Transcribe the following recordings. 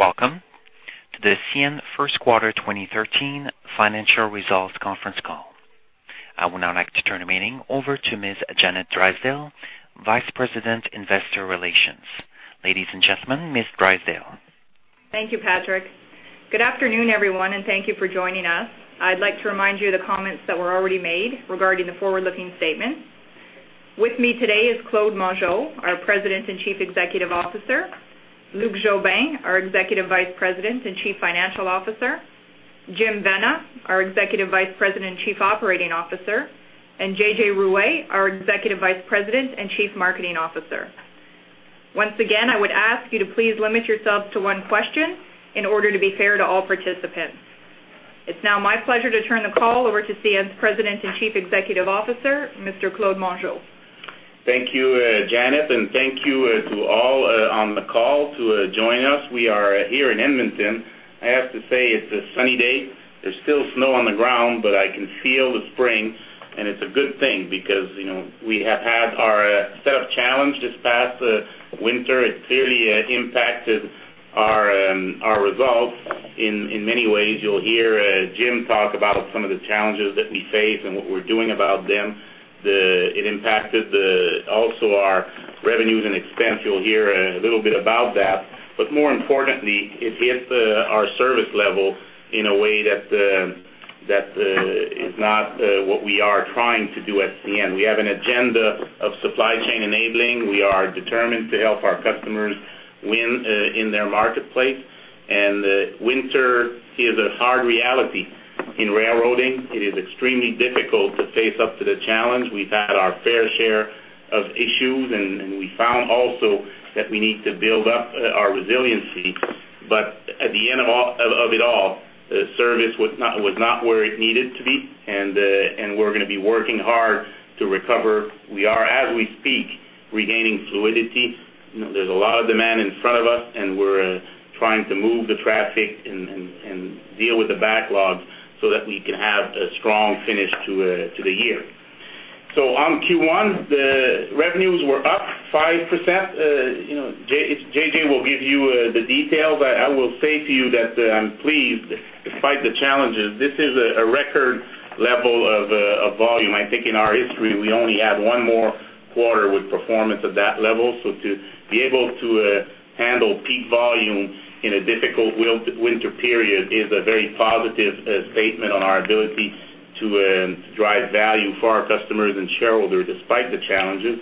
Welcome to the CN first quarter 2013 financial results conference call. I would now like to turn the meeting over to Ms. Janet Drysdale, Vice President, Investor Relations. Ladies and gentlemen, Ms. Drysdale. Thank you, Patrick. Good afternoon, everyone, and thank you for joining us. I'd like to remind you the comments that were already made regarding the forward-looking statements. With me today is Claude Mongeau, our President and Chief Executive Officer, Luc Jobin, our Executive Vice President and Chief Financial Officer, Jim Vena, our Executive Vice President and Chief Operating Officer, and JJ Ruest, our Executive Vice President and Chief Marketing Officer. Once again, I would ask you to please limit yourselves to one question in order to be fair to all participants. It's now my pleasure to turn the call over to CN's President and Chief Executive Officer, Mr. Claude Mongeau. Thank you, Janet, and thank you to all on the call to join us. We are here in Edmonton. I have to say, it's a sunny day. There's still snow on the ground, but I can feel the spring, and it's a good thing because, you know, we have had our set of challenge this past winter. It clearly impacted our results in many ways. You'll hear Jim talk about some of the challenges that we face and what we're doing about them. It also impacted our revenues and expense. You'll hear a little bit about that. But more importantly, it hit our service level in a way that is not what we are trying to do at CN. We have an agenda of supply chain enabling. We are determined to help our customers win in their marketplace, and the winter is a hard reality in railroading. It is extremely difficult to face up to the challenge. We've had our fair share of issues, and we found also that we need to build up our resiliency. But at the end of all of it all, the service was not where it needed to be, and we're gonna be working hard to recover. We are, as we speak, regaining fluidity. You know, there's a lot of demand in front of us, and we're trying to move the traffic and deal with the backlogs so that we can have a strong finish to the year. So on Q1, the revenues were up 5%. You know, JJ will give you the details, but I will say to you that I'm pleased, despite the challenges, this is a record level of volume. I think in our history, we only had one more quarter with performance at that level. So to be able to handle peak volume in a difficult winter period is a very positive statement on our ability to drive value for our customers and shareholders, despite the challenges.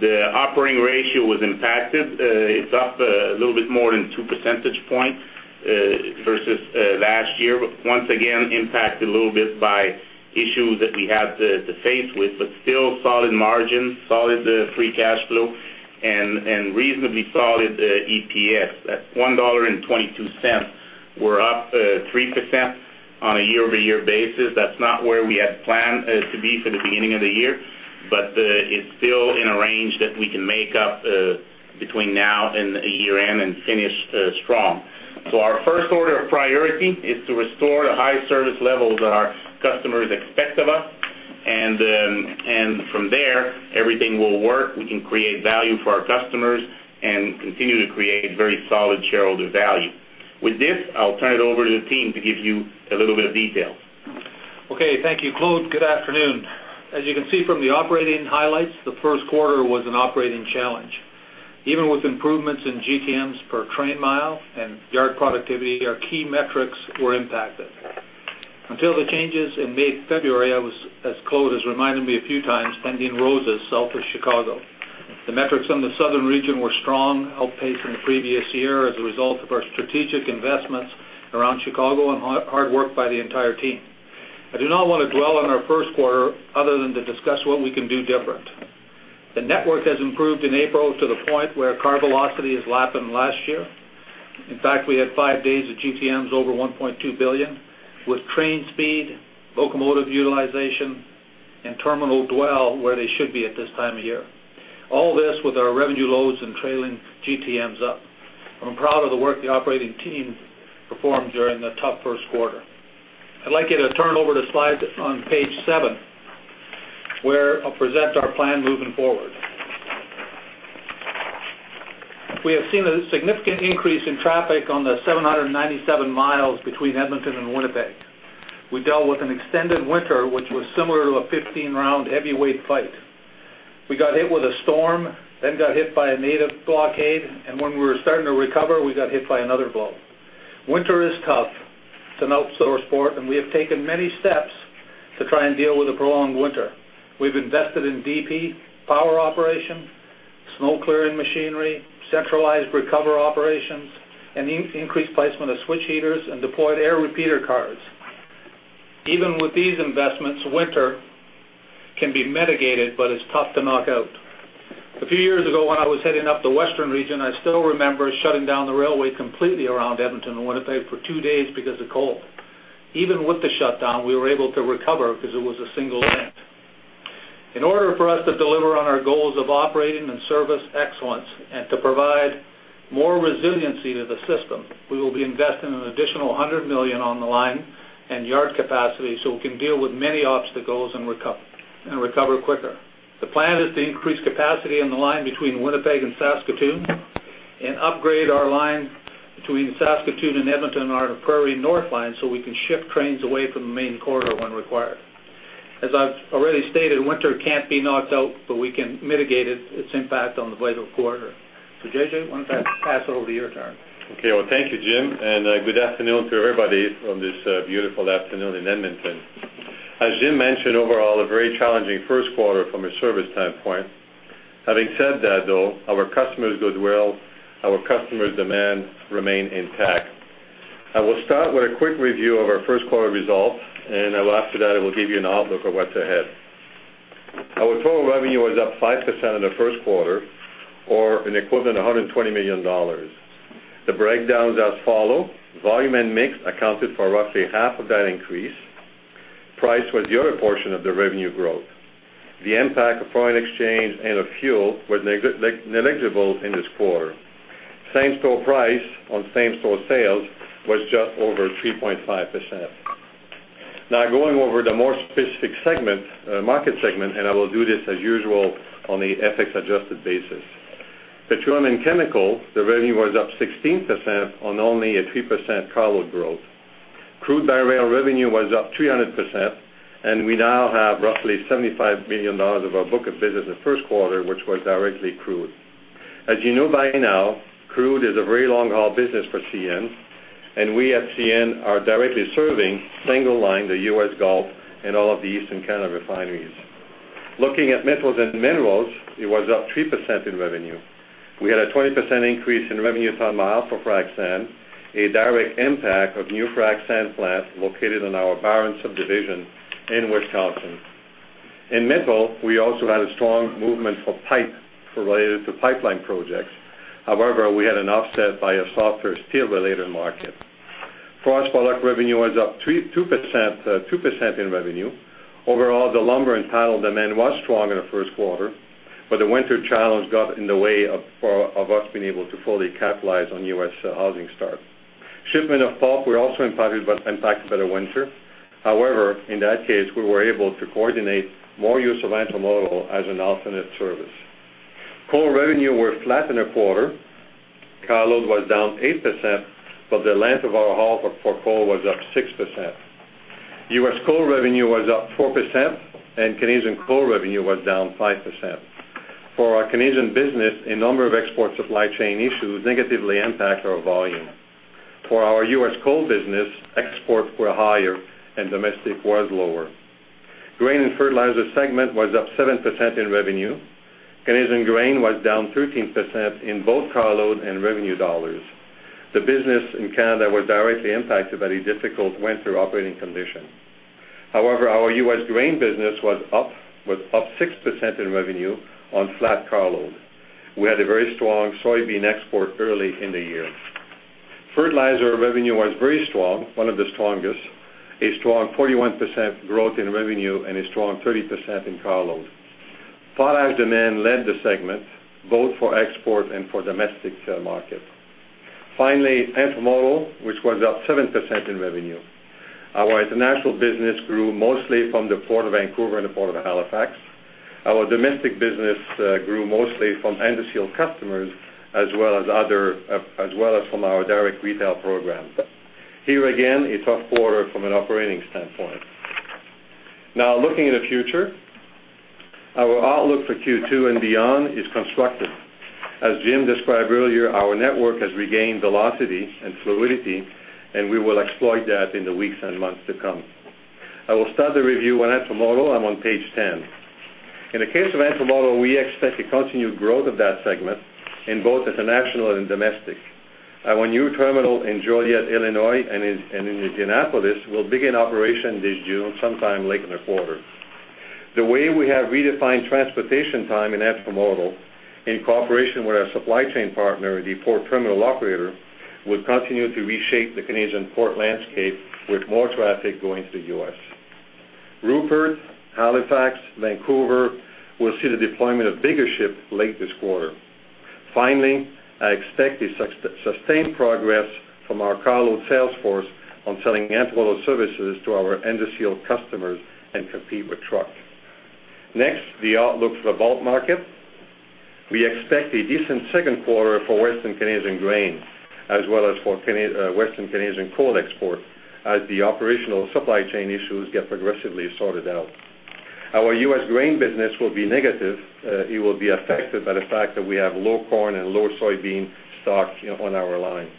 The operating ratio was impacted. It's up a little bit more than two percentage points versus last year. But once again, impacted a little bit by issues that we had to face with, but still solid margins, solid free cash flow and reasonably solid EPS. That's $1.22. We're up 3% on a year-over-year basis. That's not where we had planned to be for the beginning of the year, but it's still in a range that we can make up between now and the year-end and finish strong. So our first order of priority is to restore the high service levels that our customers expect of us, and from there, everything will work. We can create value for our customers and continue to create very solid shareholder value. With this, I'll turn it over to the team to give you a little bit of detail. Okay. Thank you, Claude. Good afternoon. As you can see from the operating highlights, the first quarter was an operating challenge. Even with improvements in GTMs per train mile and yard productivity, our key metrics were impacted. Until the changes in mid-February, I was, as Claude has reminded me a few times, sending roses south of Chicago. The metrics on the southern region were strong, outpacing the previous year as a result of our strategic investments around Chicago and hard work by the entire team. I do not want to dwell on our first quarter other than to discuss what we can do different. The network has improved in April to the point where car velocity is lapping last year. In fact, we had five days of GTMs over 1.2 billion, with train speed, locomotive utilization, and terminal dwell where they should be at this time of year. All this with our revenue loads and trailing GTMs up. I'm proud of the work the operating team performed during the tough first quarter. I'd like you to turn over to slide on page seven, where I'll present our plan moving forward. We have seen a significant increase in traffic on the 797 miles between Edmonton and Winnipeg. We dealt with an extended winter, which was similar to a 15-round heavyweight fight. We got hit with a storm, then got hit by a Native blockade, and when we were starting to recover, we got hit by another blow. Winter is tough. It's an outdoor sport, and we have taken many steps to try and deal with a prolonged winter. We've invested in DP, power operation, snow clearing machinery, centralized recovery operations, and increased placement of switch heaters and deployed air repeater cars. Even with these investments, winter can be mitigated, but it's tough to knock out. A few years ago, when I was heading up the western region, I still remember shutting down the railway completely around Edmonton and Winnipeg for two days because of cold. Even with the shutdown, we were able to recover because it was a single event. In order for us to deliver on our goals of operating and service excellence and to provide more resiliency to the system, we will be investing an additional $100 million on the line and yard capacity so we can deal with many obstacles and recover, and recover quicker. The plan is to increase capacity on the line between Winnipeg and Saskatoon, and upgrade our line between Saskatoon and Edmonton on our Prairie North Line, so we can shift trains away from the main corridor when required. As I've already stated, winter can't be knocked out, but we can mitigate it, its impact on the vital corridor. So JJ, why don't I pass it over to your turn? Okay. Well, thank you, Jim, and good afternoon to everybody on this beautiful afternoon in Edmonton. As Jim mentioned, overall, a very challenging first quarter from a service standpoint. Having said that, though, our customers did well. Our customers' demand remain intact. I will start with a quick review of our first quarter results, and after that, I will give you an outlook of what's ahead. Our total revenue was up 5% in the first quarter, or an equivalent $120 million. The breakdown is as follow: volume and mix accounted for roughly half of that increase. Price was the other portion of the revenue growth. The impact of foreign exchange and of fuel was negligible in this quarter. Same-store price on same-store sales was just over 3.5%. Now, going over the more specific segment, market segment, and I will do this, as usual, on the FX-adjusted basis. Petroleum and chemical, the revenue was up 16% on only a 3% carload growth. Crude by rail revenue was up 300%, and we now have roughly $75 million of our book of business in the first quarter, which was directly crude. As you know by now, crude is a very long-haul business for CN, and we at CN are directly serving single line, the US Gulf, and all of the Eastern Canada refineries. Looking at metals and minerals, it was up 3% in revenue. We had a 20% increase in revenue ton mile for frac sand, a direct impact of new frac sand plants located on our Barron Subdivision in Wisconsin. In metals, we also had a strong movement for pipe related to pipeline projects. However, we had an offset by a softer steel-related market. Forest Products revenue was up 2%, 2% in revenue. Overall, the lumber and panel demand was strong in the first quarter, but the winter challenge got in the way of us being able to fully capitalize on U.S. housing starts. Shipments of pulp were also impacted by the winter. However, in that case, we were able to coordinate more use of intermodal as an alternate service. Coal revenue was flat in the quarter. Carloads were down 8%, but the length of our haul for coal was up 6%. U.S. coal revenue was up 4%, and Canadian coal revenue was down 5%. For our Canadian business, a number of export supply chain issues negatively impacted our volume. For our US coal business, exports were higher and domestic was lower. Grain and fertilizer segment was up 7% in revenue. Canadian grain was down 13% in both carload and revenue dollars. The business in Canada was directly impacted by the difficult winter operating conditions. However, our US grain business was up, was up 6% in revenue on flat carload. We had a very strong soybean export early in the year. Fertilizer revenue was very strong, one of the strongest, a strong 41% growth in revenue and a strong 30% in carload. Potash demand led the segment, both for export and for domestic, market. Finally, intermodal, which was up 7% in revenue. Our international business grew mostly from the Port of Vancouver and the Port of Halifax. Our domestic business grew mostly from end-to-end customers, as well as other, as well as from our direct retail program. Here, again, a tough quarter from an operating standpoint. Now, looking at the future, our outlook for Q2 and beyond is constructive. As Jim described earlier, our network has regained velocity and fluidity, and we will exploit that in the weeks and months to come. I will start the review on intermodal. I'm on page 10. In the case of intermodal, we expect a continued growth of that segment in both international and domestic. Our new terminal in Joliet, Illinois, and in Indianapolis, will begin operation this June, sometime late in the quarter. The way we have redefined transportation time in intermodal, in cooperation with our supply chain partner, the port terminal operator, will continue to reshape the Canadian port landscape with more traffic going to the U.S. Prince Rupert, Halifax, Vancouver, will see the deployment of bigger ships later this quarter. Finally, I expect sustained progress from our carload sales force on selling intermodal services to our end-use customers and compete with truck. Next, the outlook for the bulk market. We expect a decent second quarter for Western Canadian grain, as well as for Canadian Western Canadian coal export, as the operational supply chain issues get progressively sorted out. Our U.S. grain business will be negative. It will be affected by the fact that we have low corn and low soybean stocks on our line.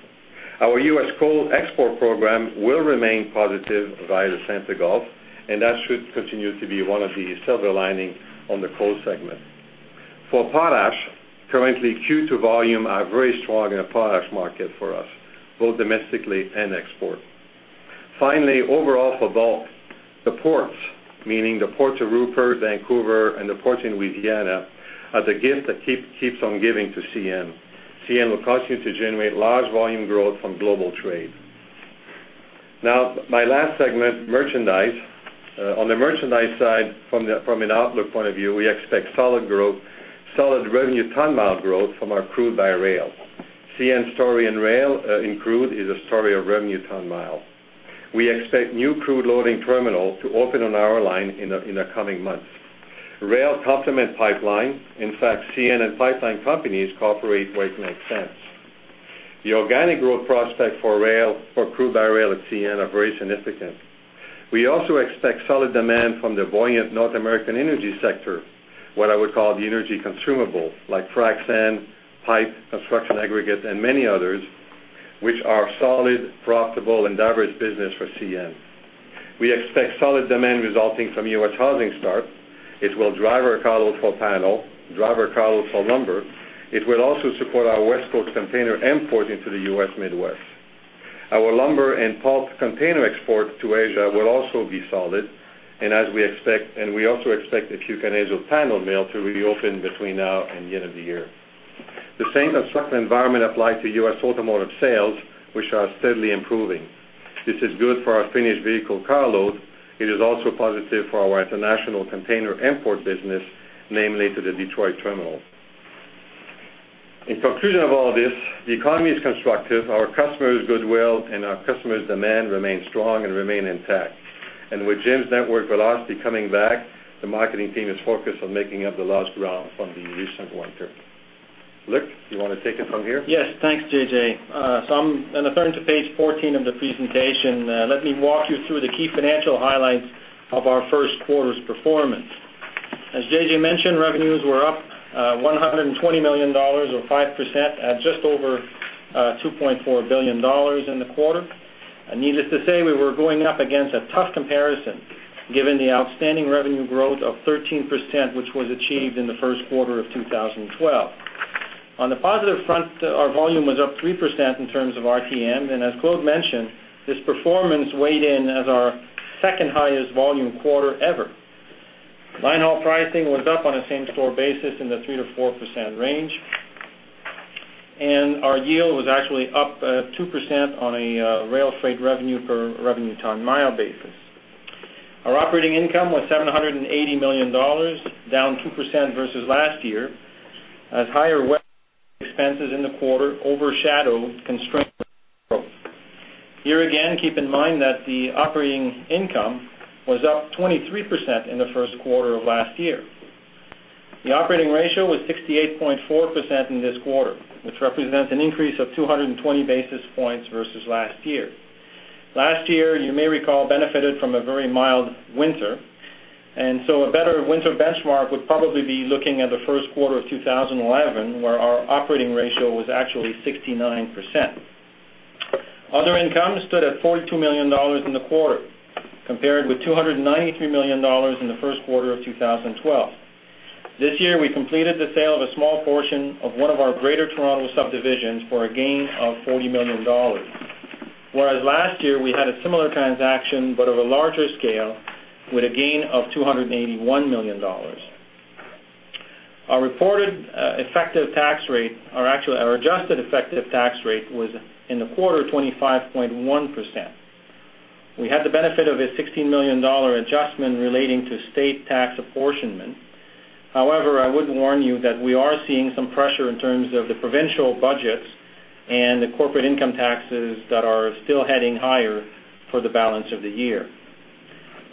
Our US coal export program will remain positive via the US Gulf, and that should continue to be one of the silver linings on the coal segment. For potash, currently, Q2 volumes are very strong in the potash market for us, both domestically and export. Finally, overall for bulk, the ports, meaning the ports of Rupert, Vancouver, and the ports in Louisiana, are the gift that keeps on giving to CN. CN will continue to generate large volume growth from global trade. Now, my last segment, merchandise. On the merchandise side, from an outlook point of view, we expect solid growth, solid revenue ton mile growth from our crude by rail. CN story in rail, in crude, is a story of revenue ton mile.... We expect new crude loading terminal to open on our line in the coming months. Rail complements pipeline. In fact, CN and pipeline companies cooperate where it makes sense. The organic growth prospect for rail, for crude by rail at CN are very significant. We also expect solid demand from the buoyant North American energy sector, what I would call the energy consumable, like frac sand, pipe, construction aggregate, and many others, which are solid, profitable, and diverse business for CN. We expect solid demand resulting from U.S. housing starts. It will drive our carload for panel, drive our carload for lumber. It will also support our West Coast container import into the U.S. Midwest. Our lumber and pulp container export to Asia will also be solid, and as we expect—and we also expect the Quesnel panel mill to reopen between now and the end of the year. The same constructive environment applies to U.S. automotive sales, which are steadily improving. This is good for our finished vehicle carload. It is also positive for our international container import business, namely to the Detroit terminal. In conclusion of all this, the economy is constructive, our customers' goodwill, and our customers' demand remain strong and remain intact. And with Jim's network velocity coming back, the marketing team is focused on making up the lost ground from the recent winter. Luc, you want to take it from here? Yes, thanks, JJ. So I'm turning to page 14 of the presentation. Let me walk you through the key financial highlights of our first quarter's performance. As JJ mentioned, revenues were up $120 million, or 5%, at just over $2.4 billion in the quarter. Needless to say, we were going up against a tough comparison, given the outstanding revenue growth of 13%, which was achieved in the first quarter of 2012. On the positive front, our volume was up 3% in terms of RTM, and as Claude mentioned, this performance weighed in as our second highest volume quarter ever. Line haul pricing was up on a same-store basis in the 3%-4% range, and our yield was actually up, two percent on a rail freight revenue per revenue ton mile basis. Our operating income was $780 million, down 2% versus last year, as higher expenses in the quarter overshadowed constrained growth. Here again, keep in mind that the operating income was up 23% in the first quarter of last year. The operating ratio was 68.4% in this quarter, which represents an increase of 220 basis points versus last year. Last year, you may recall, benefited from a very mild winter, and so a better winter benchmark would probably be looking at the first quarter of 2011, where our operating ratio was actually 69%. Other income stood at $42 million in the quarter, compared with $293 million in the first quarter of 2012. This year, we completed the sale of a small portion of one of our Greater Toronto subdivisions for a gain of $40 million, whereas last year we had a similar transaction, but of a larger scale, with a gain of $281 million. Our reported, effective tax rate, or actually, our adjusted effective tax rate, was, in the quarter, 25.1%. We had the benefit of a $16 million adjustment relating to state tax apportionment. However, I would warn you that we are seeing some pressure in terms of the provincial budgets and the corporate income taxes that are still heading higher for the balance of the year.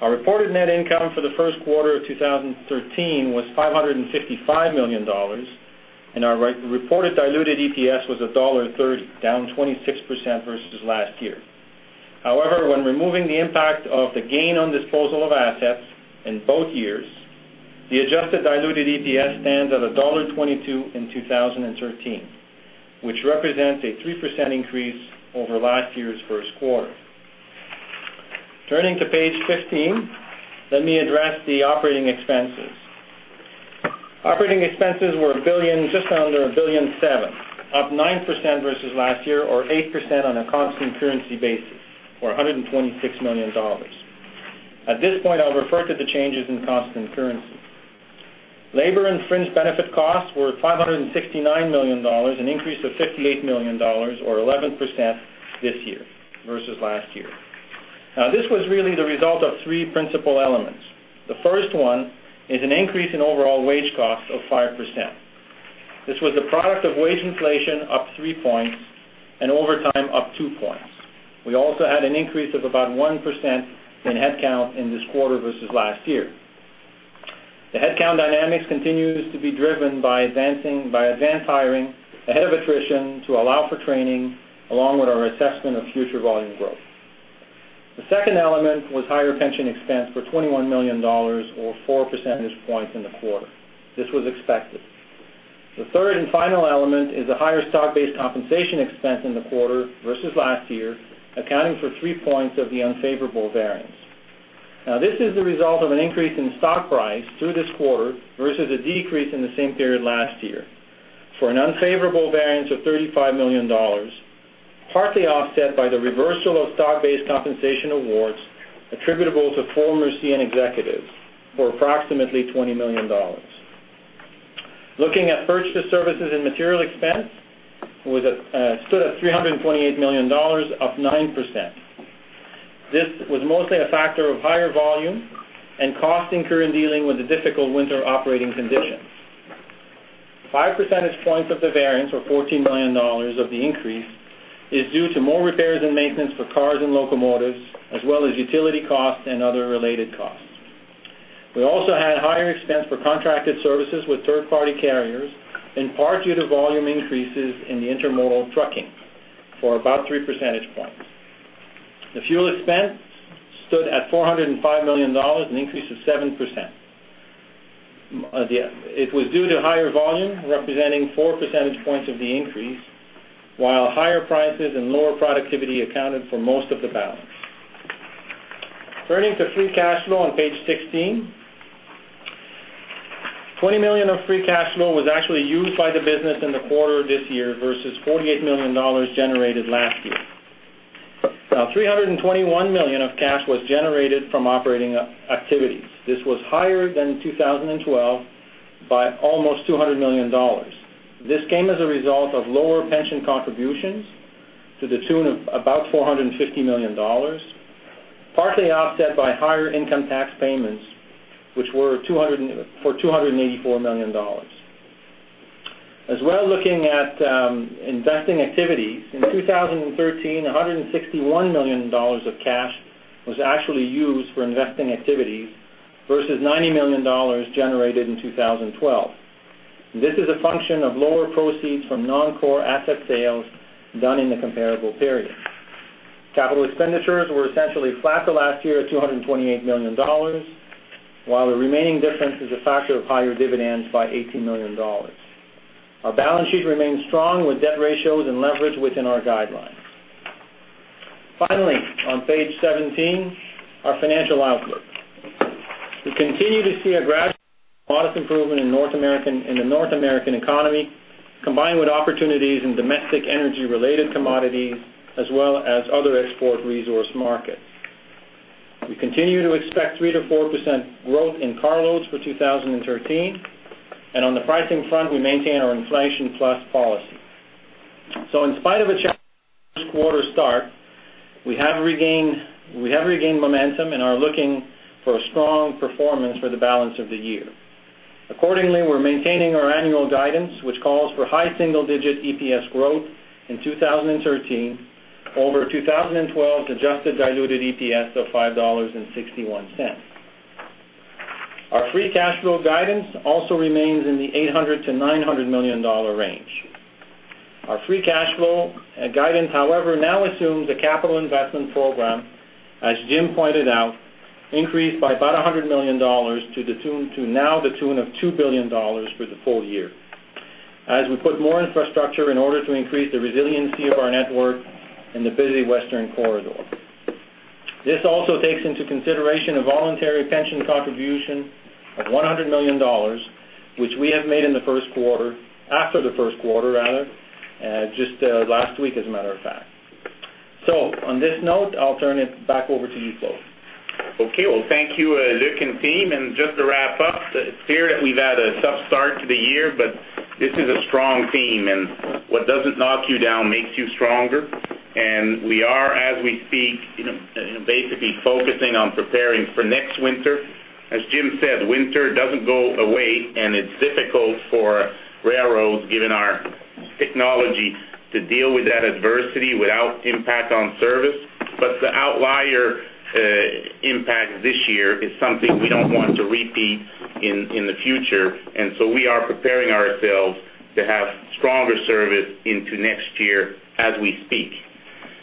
Our reported net income for the first quarter of 2013 was $555 million, and our reported diluted EPS was $1.30, down 26% versus last year. However, when removing the impact of the gain on disposal of assets in both years, the adjusted diluted EPS stands at $1.22 in 2013, which represents a 3% increase over last year's first quarter. Turning to page 15, let me address the operating expenses. Operating expenses were $1 billion, just under $1.7 billion, up 9% versus last year, or 8% on a constant currency basis, or $126 million. At this point, I'll refer to the changes in constant currency. Labor and fringe benefit costs were $569 million, an increase of $58 million, or 11% this year versus last year. Now, this was really the result of three principal elements. The first one is an increase in overall wage costs of 5%. This was a product of wage inflation up 3 points and overtime up 2 points. We also had an increase of about 1% in headcount in this quarter versus last year. The headcount dynamics continues to be driven by advance hiring ahead of attrition to allow for training, along with our assessment of future volume growth. The second element was higher pension expense of $21 million, or 4 percentage points in the quarter. This was expected. The third and final element is a higher stock-based compensation expense in the quarter versus last year, accounting for 3 points of the unfavorable variance. Now, this is the result of an increase in stock price through this quarter versus a decrease in the same period last year. For an unfavorable variance of 35 million dollars, partly offset by the reversal of stock-based compensation awards attributable to former CN executives for approximately 20 million dollars. Looking at purchased services and material expense, stood at CAD 328 million, up 9%. This was mostly a factor of higher volume and cost incurred in dealing with the difficult winter operating conditions. 5 percentage points of the variance, or 14 million dollars of the increase, is due to more repairs and maintenance for cars and locomotives, as well as utility costs and other related costs. We also had higher expense for contracted services with third-party carriers, in part due to volume increases in the intermodal trucking for about 3 percentage points. The fuel expense stood at $405 million, an increase of 7%. It was due to higher volume, representing 4 percentage points of the increase, while higher prices and lower productivity accounted for most of the balance. Turning to free cash flow on page 16. $20 million of free cash flow was actually used by the business in the quarter this year, versus $48 million generated last year. Now, 321 million of cash was generated from operating activities. This was higher than 2012 by almost $200 million. This came as a result of lower pension contributions to the tune of about $450 million, partly offset by higher income tax payments, which were $284 million. As well, looking at investing activities, in 2013, $161 million of cash was actually used for investing activities versus $90 million generated in 2012. This is a function of lower proceeds from non-core asset sales done in the comparable period. Capital expenditures were essentially flat to last year at $228 million, while the remaining difference is a factor of higher dividends by $18 million. Our balance sheet remains strong, with debt ratios and leverage within our guidelines. Finally, on page 17, our financial outlook. We continue to see a gradual, modest improvement in North American- in the North American economy, combined with opportunities in domestic energy-related commodities, as well as other export resource markets. We continue to expect 3%-4% growth in car loads for 2013, and on the pricing front, we maintain our inflation plus policy. So in spite of a challenging first quarter start, we have regained, we have regained momentum and are looking for a strong performance for the balance of the year. Accordingly, we're maintaining our annual guidance, which calls for high single-digit EPS growth in 2013, over 2012's adjusted diluted EPS of $5.61. Our free cash flow guidance also remains in the $800 million-$900 million range. Our free cash flow guidance, however, now assumes a capital investment program, as Jim pointed out, increased by about $100 million, to the tune of now $2 billion for the full year, as we put more infrastructure in order to increase the resiliency of our network in the busy Western corridor. This also takes into consideration a voluntary pension contribution of $100 million, which we have made in the first quarter, after the first quarter, rather, just, last week, as a matter of fact. So on this note, I'll turn it back over to you, Claude. Okay, well, thank you, Luc and team. And just to wrap up, it's clear that we've had a tough start to the year, but this is a strong team, and what doesn't knock you down makes you stronger. And we are, as we speak, you know, basically focusing on preparing for next winter. As Jim said, winter doesn't go away, and it's difficult for railroads, given our technology, to deal with that adversity without impact on service. But the outlier impact this year is something we don't want to repeat in the future, and so we are preparing ourselves to have stronger service into next year as we speak.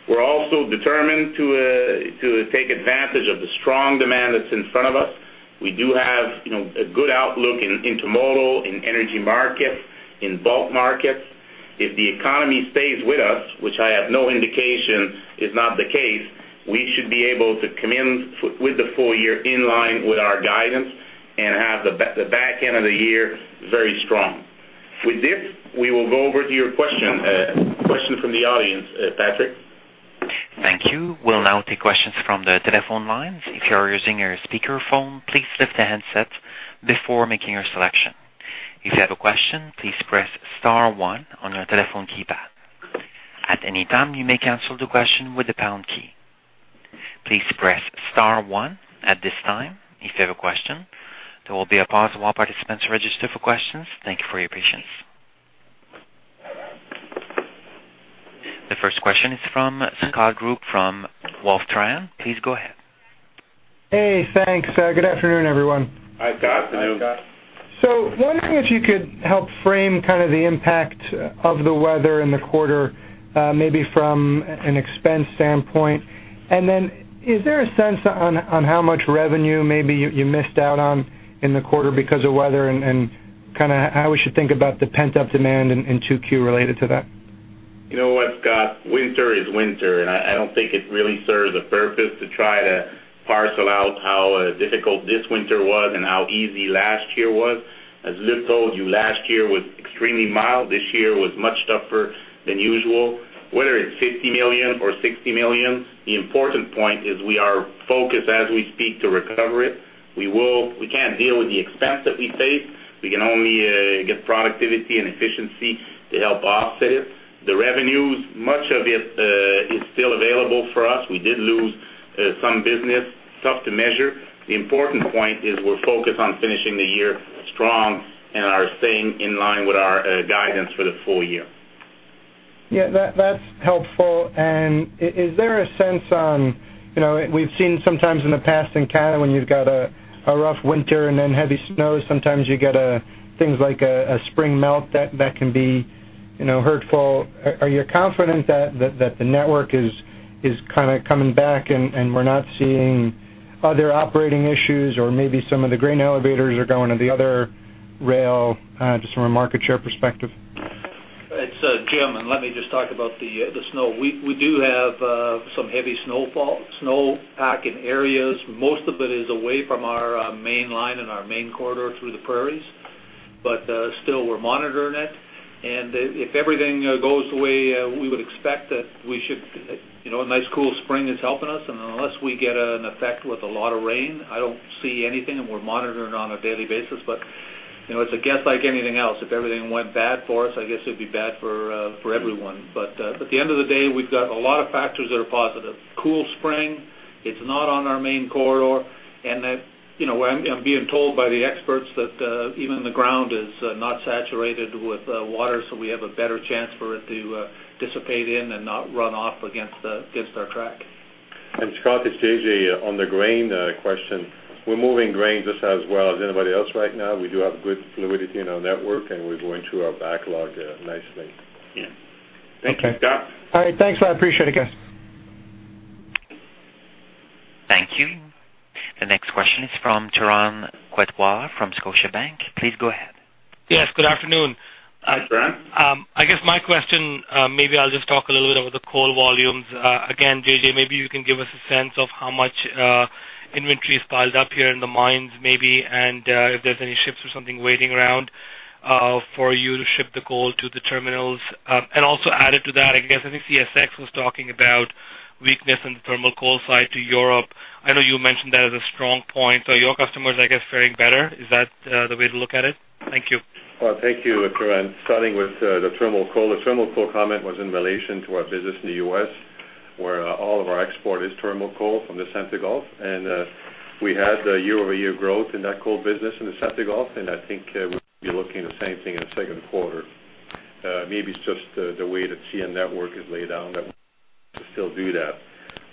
We're also determined to take advantage of the strong demand that's in front of us. We do have, you know, a good outlook in intermodal, in energy markets, in bulk markets. If the economy stays with us, which I have no indication is not the case, we should be able to come in with the full year in line with our guidance and have the back end of the year very strong. With this, we will go over to your question, questions from the audience. Patrick? Thank you. We'll now take questions from the telephone lines. If you are using your speakerphone, please lift the handset before making your selection. If you have a question, please press star one on your telephone keypad. At any time, you may cancel the question with the pound key. Please press star one at this time if you have a question. There will be a pause while participants register for questions. Thank you for your patience. The first question is from Scott Group from Wolfe Trahan. Please go ahead. Hey, thanks. Good afternoon, everyone. Hi, Scott. Good afternoon, Scott. Wondering if you could help frame kind of the impact of the weather in the quarter, maybe from an expense standpoint. Then, is there a sense on how much revenue maybe you missed out on in the quarter because of weather, and kinda how we should think about the pent-up demand in 2Q related to that? You know what, Scott? Winter is winter, and I don't think it really serves a purpose to try to parcel out how difficult this winter was and how easy last year was. As Luc told you, last year was extremely mild. This year was much tougher than usual. Whether it's $50 million or $60 million, the important point is we are focused, as we speak, to recover it. We will - We can't deal with the expense that we paid. We can only get productivity and efficiency to help offset it. The revenues, much of it, is still available for us. We did lose-... some business, tough to measure. The important point is we're focused on finishing the year strong and are staying in line with our guidance for the full year. Yeah, that's helpful. And is there a sense on, you know, we've seen sometimes in the past in Canada, when you've got a rough winter and then heavy snow, sometimes you get things like a spring melt that can be, you know, hurtful. Are you confident that the network is kind of coming back and we're not seeing other operating issues, or maybe some of the grain elevators are going to the other rail, just from a market share perspective? It's Jim, and let me just talk about the snow. We do have some heavy snowfall, snow pack in areas. Most of it is away from our main line and our main corridor through the Prairies. But still, we're monitoring it. And if everything goes the way we would expect, that we should, you know, a nice cool spring is helping us. And unless we get an effect with a lot of rain, I don't see anything, and we're monitoring it on a daily basis. But you know, it's a guess like anything else. If everything went bad for us, I guess it'd be bad for everyone. But at the end of the day, we've got a lot of factors that are positive. Cool spring, it's not on our main corridor, and that, you know, I'm being told by the experts that even the ground is not saturated with water, so we have a better chance for it to dissipate in and not run off against our track. Scott, it's JJ. On the grain question, we're moving grain just as well as anybody else right now. We do have good fluidity in our network, and we're going through our backlog nicely. Yeah. Thank you, Scott. All right, thanks a lot. I appreciate it, guys. Thank you. The next question is from Turan Quettawala from Scotiabank. Please go ahead. Yes, good afternoon. Hi, Kiran. I guess my question, maybe I'll just talk a little bit about the coal volumes. Again, JJ, maybe you can give us a sense of how much inventory is piled up here in the mines, maybe, and if there's any ships or something waiting around for you to ship the coal to the terminals. And also added to that, I guess, I think CSX was talking about weakness in the thermal coal side to Europe. I know you mentioned that as a strong point. So your customers, I guess, feeling better. Is that the way to look at it? Thank you. Well, thank you, Turan. Starting with the thermal coal. The thermal coal comment was in relation to our business in the US, where all of our export is thermal coal from the US Gulf. And we had a year-over-year growth in that coal business in the US Gulf, and I think we'll be looking at the same thing in the second quarter. Maybe it's just the way the CN network is laid out that to still do that.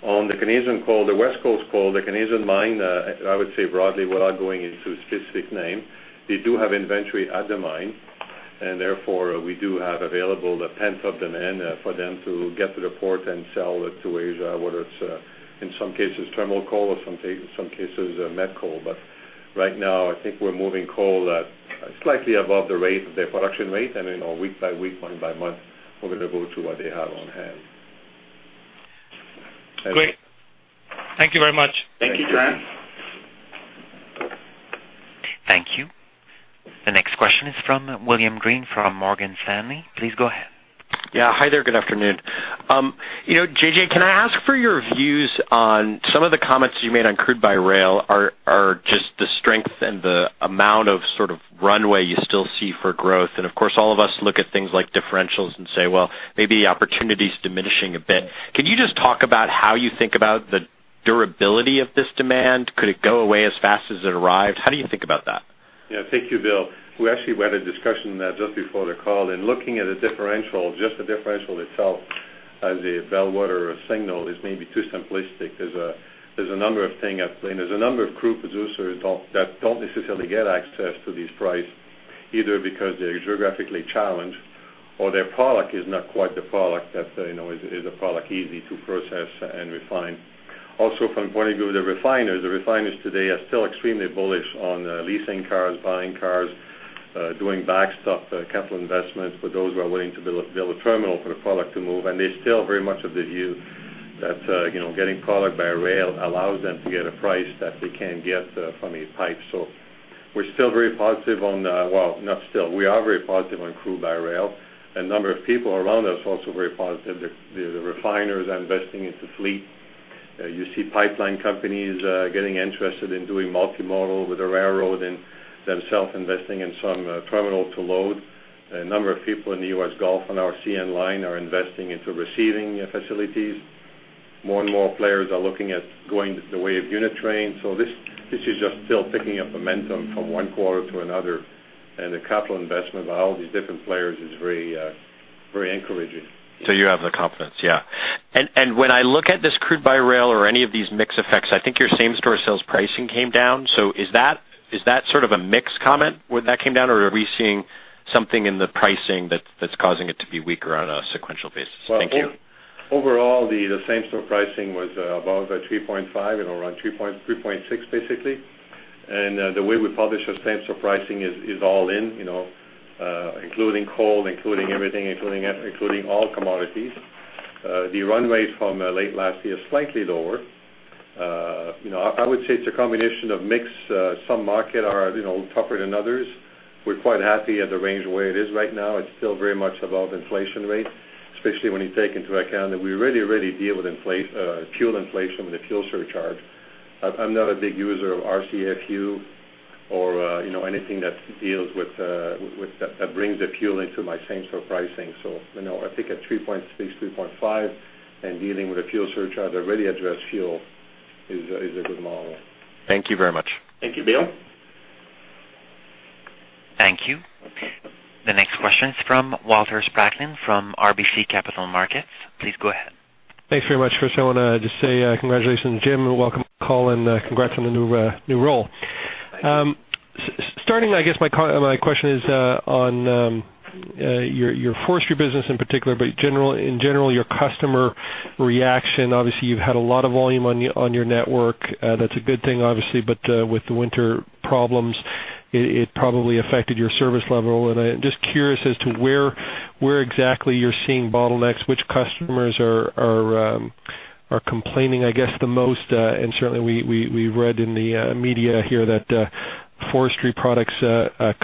On the Canadian coal, the West Coast coal, the Canadian mine, I would say broadly, without going into a specific name, they do have inventory at the mine, and therefore, we do have available the pent-up demand for them to get to the port and sell it to Asia, whether it's in some cases, thermal coal or some cases, met coal. But right now, I think we're moving coal at slightly above the rate, the production rate, and then, week by week, month by month, we're going to go to what they have on hand. Great. Thank you very much. Thank you, Turan Quettawala. Thank you. The next question is from William Greene, from Morgan Stanley. Please go ahead. Yeah. Hi there, good afternoon. You know, JJ, can I ask for your views on some of the comments you made on crude by rail, just the strength and the amount of sort of runway you still see for growth? And of course, all of us look at things like differentials and say, well, maybe the opportunity is diminishing a bit. Can you just talk about how you think about the durability of this demand? Could it go away as fast as it arrived? How do you think about that? Yeah. Thank you, Bill. We actually had a discussion just before the call, and looking at the differential, just the differential itself, as a bellwether or a signal is maybe too simplistic. There's a number of things—there's a number of crude producers that don't necessarily get access to this price, either because they're geographically challenged or their product is not quite the product that, you know, is a product easy to process and refine. Also, from the point of view of the refiners, the refiners today are still extremely bullish on leasing cars, buying cars, doing backstop capital investments for those who are willing to build a terminal for the product to move. And they're still very much of the view that, you know, getting product by rail allows them to get a price that they can't get from a pipe. So we're still very positive on, well, not still, we are very positive on crude by rail. A number of people around us are also very positive. The refiners are investing into fleet. You see pipeline companies getting interested in doing multimodal with the railroad and themselves investing in some terminal to load. A number of people in the US Gulf on our CN line are investing into receiving facilities. More and more players are looking at going the way of unit train. So this is just still picking up momentum from one quarter to another, and the capital investment by all these different players is very, very encouraging. So you have the confidence, yeah. And, and when I look at this crude by rail or any of these mix effects, I think your same-store sales pricing came down. So is that, is that sort of a mix comment when that came down, or are we seeing something in the pricing that, that's causing it to be weaker on a sequential basis? Thank you. Well, overall, the same-store pricing was above 3.5, you know, around 3.6, basically. The way we publish our same-store pricing is all in, you know, including coal, including everything, including all commodities. The run rate from late last year is slightly lower. You know, I would say it's a combination of mix, some market are tougher than others. We're quite happy with the range the way it is right now. It's still very much above inflation rate, especially when you take into account that we already deal with fuel inflation with the fuel surcharge. I'm not a big user of RCAF-U or, you know, anything that deals with that brings the fuel into my same-store pricing. So, you know, I think at 3.5 and dealing with a fuel surcharge that already addressed fuel is a good model. Thank you very much. Thank you, Bill. Thank you. The next question is from Walter Spracklin, from RBC Capital Markets. Please go ahead. Thanks very much. First, I want to just say, congratulations, Jim, and welcome to the call, and, congrats on the new role. Thank you. Starting, I guess, my question is on your forestry business in particular, but general, in general, your customer reaction. Obviously, you've had a lot of volume on your network. That's a good thing, obviously, but with the winter problems, it probably affected your service level. And I'm just curious as to where exactly you're seeing bottlenecks, which customers are complaining, I guess, the most? And certainly, we read in the media here that forestry products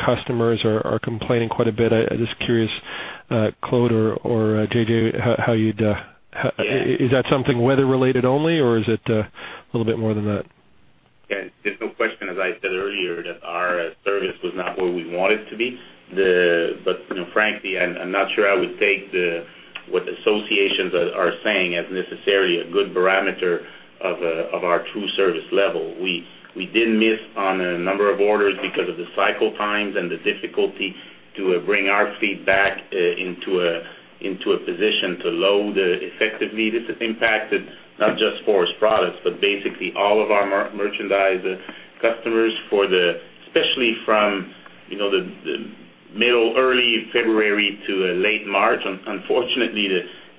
customers are complaining quite a bit. I'm just curious, Claude or JJ, how you'd, Yeah. How is that something weather related only, or is it a little bit more than that? Yeah, there's no question, as I said earlier, that our service was not where we want it to be. But, you know, frankly, I'm not sure I would take what the associations are saying as necessarily a good barometer of our true service level. We did miss on a number of orders because of the cycle times and the difficulty to bring our fleet back into a position to load effectively. This has impacted not just forest products, but basically all of our merchandise customers, especially from, you know, the middle early February to late March. Unfortunately,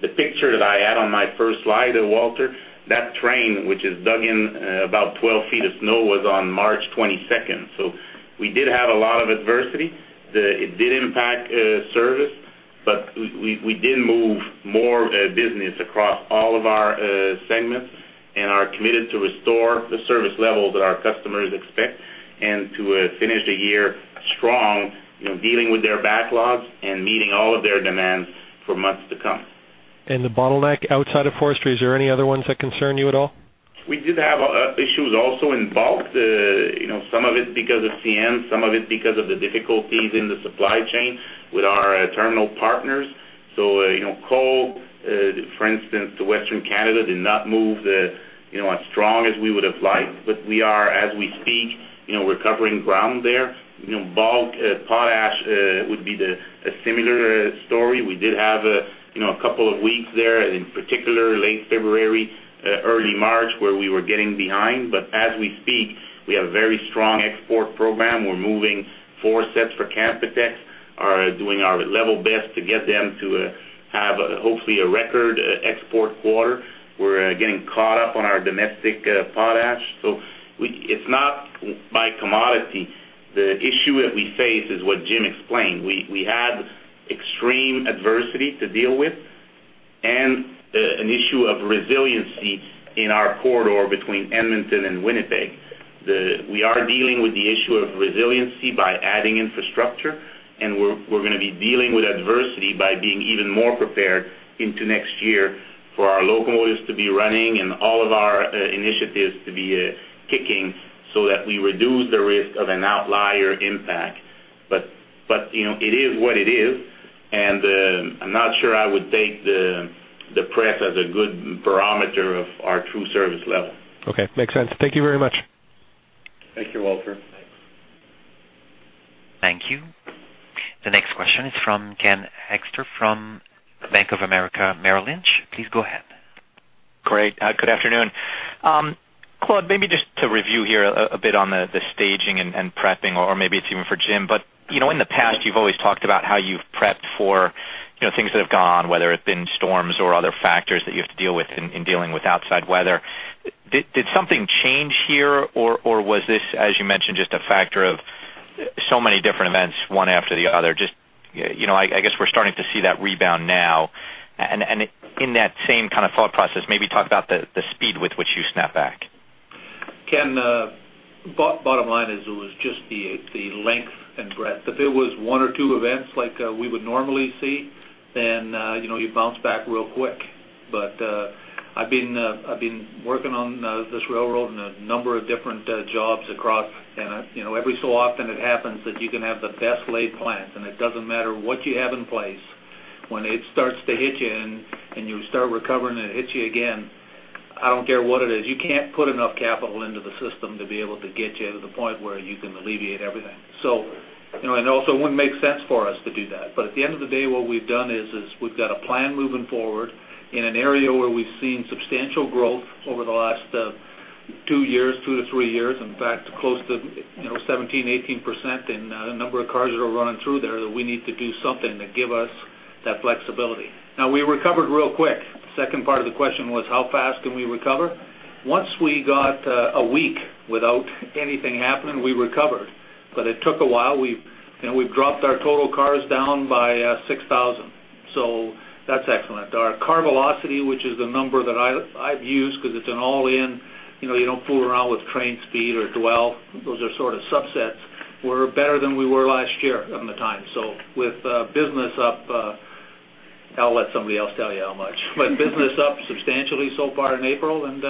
the picture that I had on my first slide, Walter, that train, which is dug in, about 12 feet of snow, was on March twenty-second. So we did have a lot of adversity. It did impact service, but we did move more business across all of our segments and are committed to restore the service level that our customers expect and to finish the year strong, you know, dealing with their backlogs and meeting all of their demands for months to come. The bottleneck outside of forestry, is there any other ones that concern you at all? We did have issues also in bulk. You know, some of it because of CN, some of it because of the difficulties in the supply chain with our terminal partners. So, you know, coal, for instance, to Western Canada, did not move the, you know, as strong as we would have liked. But we are, as we speak, you know, recovering ground there. You know, bulk potash would be a similar story. We did have a, you know, a couple of weeks there, in particular, late February, early March, where we were getting behind. But as we speak, we have a very strong export program. We're moving four sets for Canpotex, are doing our level best to get them to have, hopefully, a record export quarter. We're getting caught up on our domestic potash. So it's not by commodity. The issue that we face is what Jim explained. We had extreme adversity to deal with and an issue of resiliency in our corridor between Edmonton and Winnipeg. We are dealing with the issue of resiliency by adding infrastructure, and we're gonna be dealing with adversity by being even more prepared into next year for our locomotives to be running and all of our initiatives to be kicking, so that we reduce the risk of an outlier impact. But you know, it is what it is, and I'm not sure I would take the press as a good barometer of our true service level. Okay. Makes sense. Thank you very much. Thank you, Walter. Thank you. The next question is from Ken Hoexter from Bank of America Merrill Lynch. Please go ahead. Great. Good afternoon. Claude, maybe just to review here a bit on the staging and prepping, or maybe it's even for Jim. But, you know, in the past, you've always talked about how you've prepped for, you know, things that have gone, whether it's been storms or other factors that you have to deal with in dealing with outside weather. Did something change here, or was this, as you mentioned, just a factor of so many different events, one after the other? Just, you know, I guess we're starting to see that rebound now. And in that same kind of thought process, maybe talk about the speed with which you snap back. Ken, bottom line is, it was just the length and breadth. If it was one or two events like we would normally see, then you know, you bounce back real quick. But I've been working on this railroad in a number of different jobs across, and you know, every so often it happens that you can have the best laid plans, and it doesn't matter what you have in place, when it starts to hit you and you start recovering, and it hits you again, I don't care what it is, you can't put enough capital into the system to be able to get you to the point where you can alleviate everything. So you know, and also it wouldn't make sense for us to do that. But at the end of the day, what we've done is, we've got a plan moving forward in an area where we've seen substantial growth over the last, 2 years, 2 to 3 years. In fact, close to, you know, 17%-18% in, the number of cars that are running through there, that we need to do something to give us that flexibility. Now, we recovered real quick. Second part of the question was, how fast can we recover? Once we got, a week without anything happening, we recovered, but it took a while. We've, you know, we've dropped our total cars down by, 6,000, so that's excellent. Our car velocity, which is the number that I, I've used, because it's an all-in, you know, you don't fool around with train speed or dwell, those are sort of subsets, we're better than we were last year on the time. So with business up- ... I'll let somebody else tell you how much. But business up substantially so far in April, and,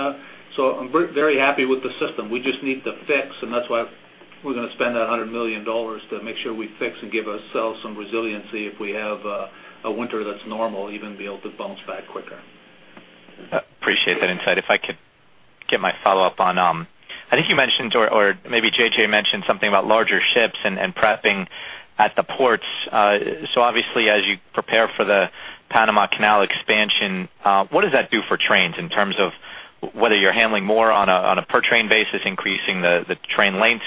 so I'm very happy with the system. We just need to fix, and that's why we're gonna spend that $100 million to make sure we fix and give ourselves some resiliency if we have a winter that's normal, even be able to bounce back quicker. Appreciate that insight. If I could get my follow-up on, I think you mentioned, or, or maybe JJ mentioned something about larger ships and, and prepping at the ports. So obviously, as you prepare for the Panama Canal expansion, what does that do for trains in terms of whether you're handling more on a, on a per train basis, increasing the, the train lengths?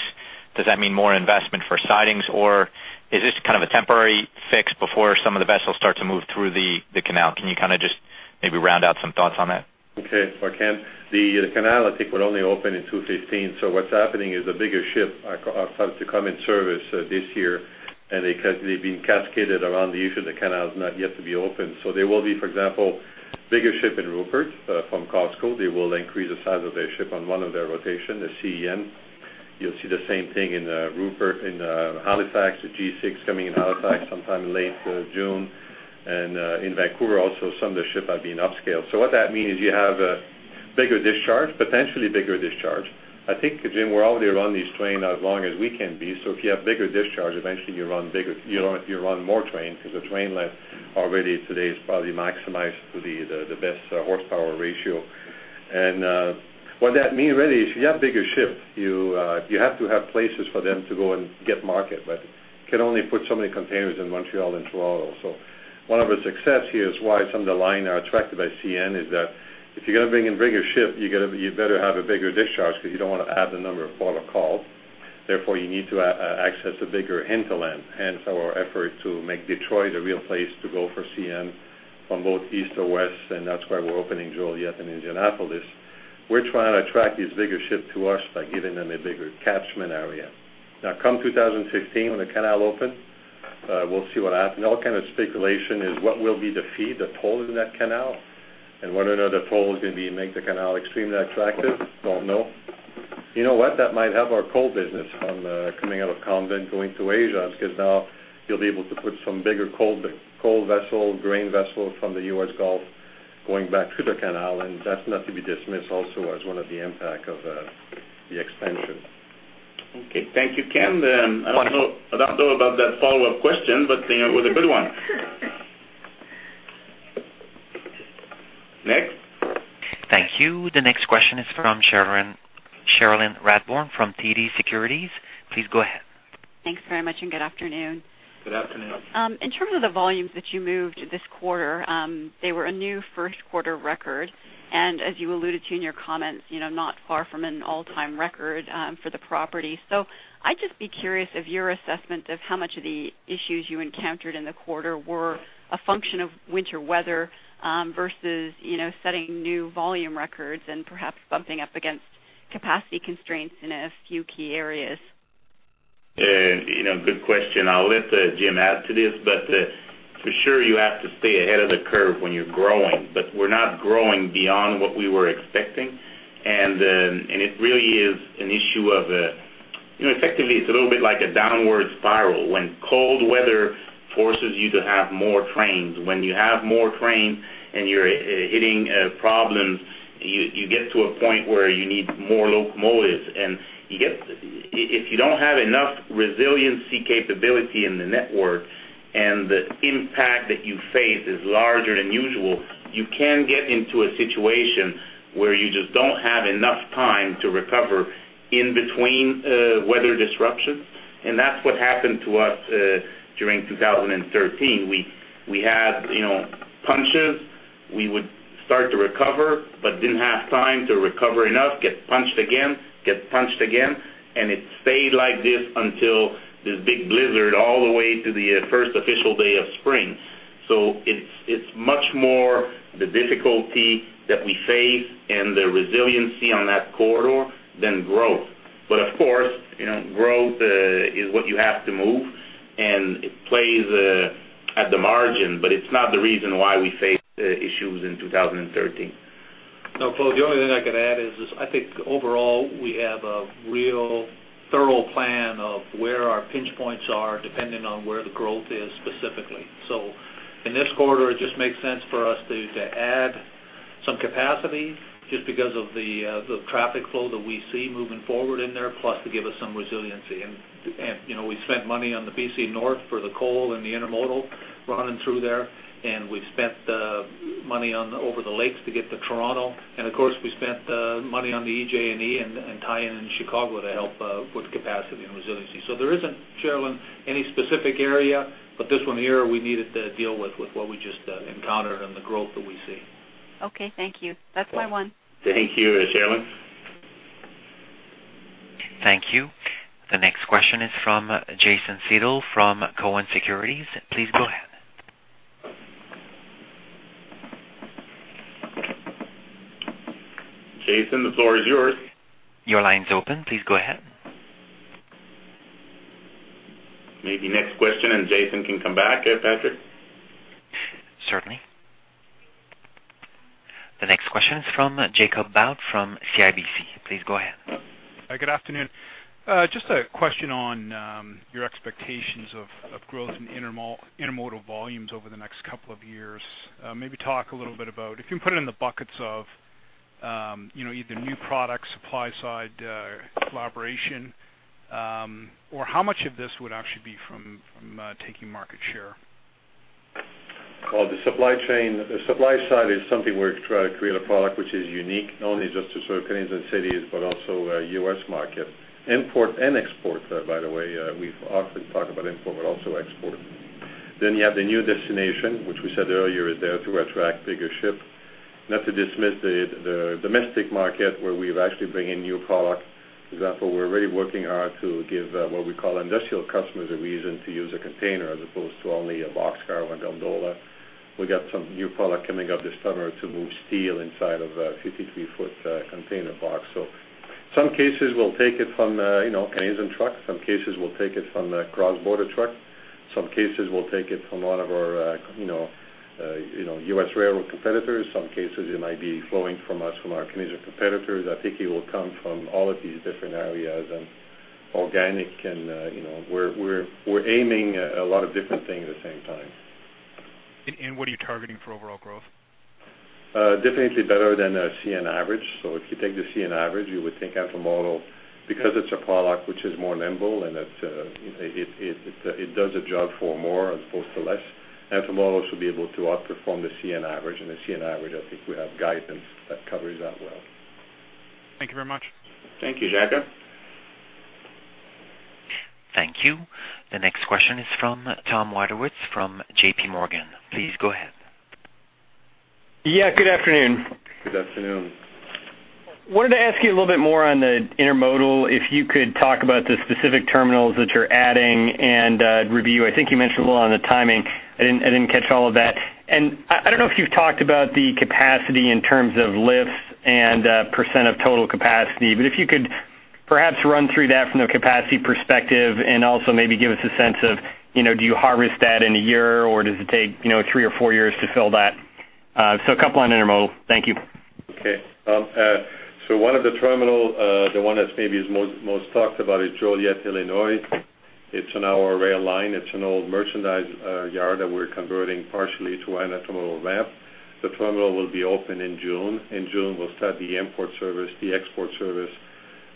Does that mean more investment for sidings, or is this kind of a temporary fix before some of the vessels start to move through the, the canal? Can you kinda just maybe round out some thoughts on that? Okay, well, Ken, the canal, I think, would only open in 2015, so what's happening is the bigger ships are starting to come in service this year, and they've been cascaded around the issue of the canal is not yet to be open. So there will be, for example, bigger ships in Rupert from COSCO. They will increase the size of their ships on one of their rotations, the CN. You'll see the same thing in Rupert, in Halifax, the G6 coming in Halifax sometime in late June. And in Vancouver, also, some of the ships are being upscaled. So what that means is you have a bigger discharge, potentially bigger discharge. I think, Jim, we're already run these trains as long as we can be, so if you have bigger discharge, eventually you run bigger, you run more trains because the train length already today is probably maximized to the best horsepower ratio. And what that means really is if you have bigger ships, you have to have places for them to go and get market, but you can only put so many containers in Montreal and Toronto. So one of the success here is why some of the lines are attracted by CN, is that if you're gonna bring in bigger ship, you gotta, you better have a bigger discharge because you don't want to add the number of port of call. Therefore, you need to access a bigger hinterland, hence our effort to make Detroit a real place to go for CN from both east or west, and that's why we're opening Joliet and Indianapolis. We're trying to attract these bigger ships to us by giving them a bigger catchment area. Now, come 2015, when the canal open, we'll see what happens. All kind of speculation is what will be the fee, the toll in that canal, and whether or not the toll is gonna be make the canal extremely attractive. Don't know. You know what? That might help our coal business from coming out of Colombia going to Asia, because now you'll be able to put some bigger coal vessel, grain vessel from the U.S. Gulf, going back through the canal, and that's not to be dismissed also as one of the impact of, the expansion. Okay, thank you, Ken. I don't know, I don't know about that follow-up question, but, you know, it was a good one. Next? Thank you. The next question is from Cherilyn, Cherilyn Radbourne from TD Securities. Please go ahead. Thanks very much, and good afternoon. Good afternoon. In terms of the volumes that you moved this quarter, they were a new first quarter record, and as you alluded to in your comments, you know, not far from an all-time record, for the property. So I'd just be curious of your assessment of how much of the issues you encountered in the quarter were a function of winter weather, versus, you know, setting new volume records and perhaps bumping up against capacity constraints in a few key areas. You know, good question. I'll let Jim add to this, but for sure, you have to stay ahead of the curve when you're growing. But we're not growing beyond what we were expecting. And, and it really is an issue of, you know, effectively, it's a little bit like a downward spiral when cold weather forces you to have more trains. When you have more trains and you're hitting problems, you get to a point where you need more locomotives, and you get if you don't have enough resiliency capability in the network and the impact that you face is larger than usual, you can get into a situation where you just don't have enough time to recover in between weather disruptions. And that's what happened to us during 2013. We had, you know, punches. We would start to recover but didn't have time to recover enough, get punched again, get punched again, and it stayed like this until this big blizzard all the way to the first official day of spring. So it's much more the difficulty that we face and the resiliency on that corridor than growth. But of course, you know, growth is what you have to move, and it plays at the margin, but it's not the reason why we faced issues in 2013. No, Paul, the only thing I can add is this: I think overall, we have a real thorough plan of where our pinch points are, depending on where the growth is specifically. So in this quarter, it just makes sense for us to add some capacity just because of the traffic flow that we see moving forward in there, plus to give us some resiliency. And, you know, we spent money on the BC North for the coal and the intermodal running through there, and we've spent money on over the lakes to get to Toronto. And of course, we spent money on the EJ&E and tie-in in Chicago to help with capacity and resiliency. There isn't, Cherilyn, any specific area, but this one here, we needed to deal with, with what we just encountered and the growth that we see. Okay, thank you. That's my one. Thank you, Cherilyn. Thank you. The next question is from Jason Seidl, from Cowen Securities. Please go ahead. Jason, the floor is yours. Your line's open. Please go ahead. Maybe next question, and Jason can come back, Patrick? The next question is from Jacob Bout from CIBC. Please go ahead. Hi, good afternoon. Just a question on your expectations of growth in intermodal volumes over the next couple of years. Maybe talk a little bit about, if you can put it in the buckets of, you know, either new product, supply side, collaboration, or how much of this would actually be from taking market share? Well, the supply chain, the supply side is something we're trying to create a product which is unique, not only just to serve Canadian cities, but also, US market, import and export, by the way. We've often talked about import, but also export. Then you have the new destination, which we said earlier, is there to attract bigger ships. Not to dismiss the, the domestic market, where we've actually bring in new product. For example, we're really working hard to give, what we call industrial customers a reason to use a container as opposed to only a boxcar or a gondola. We got some new product coming up this summer to move steel inside of a 53-foot, container box. So some cases we'll take it from, you know, Canadian truck, some cases we'll take it from the cross-border truck. some cases we'll take it from one of our, you know, US railroad competitors. Some cases it might be flowing from us, from our Canadian competitors. I think it will come from all of these different areas and organic and, you know, we're aiming a lot of different things at the same time. And what are you targeting for overall growth? Definitely better than a CN average. So if you take the CN average, you would think intermodal, because it's a product which is more nimble, and it's, it does a job for more as opposed to less. Intermodal should be able to outperform the CN average, and the CN average, I think we have guidance that covers that well. Thank you very much. Thank you, Jacob. Thank you. The next question is from Tom Wadewitz from JP Morgan. Please go ahead. Yeah, good afternoon. Good afternoon. Wanted to ask you a little bit more on the intermodal, if you could talk about the specific terminals that you're adding and review. I think you mentioned a little on the timing. I didn't, I didn't catch all of that. And I, I don't know if you've talked about the capacity in terms of lifts and percent of total capacity, but if you could perhaps run through that from a capacity perspective and also maybe give us a sense of, you know, do you harvest that in a year, or does it take, you know, three or four years to fill that? So a couple on intermodal. Thank you. Okay. So one of the terminals, the one that's maybe the most talked about is Joliet, Illinois. It's on our rail line. It's an old merchandise yard that we're converting partially to an intermodal ramp. The terminal will be open in June. In June, we'll start the import service, the export service,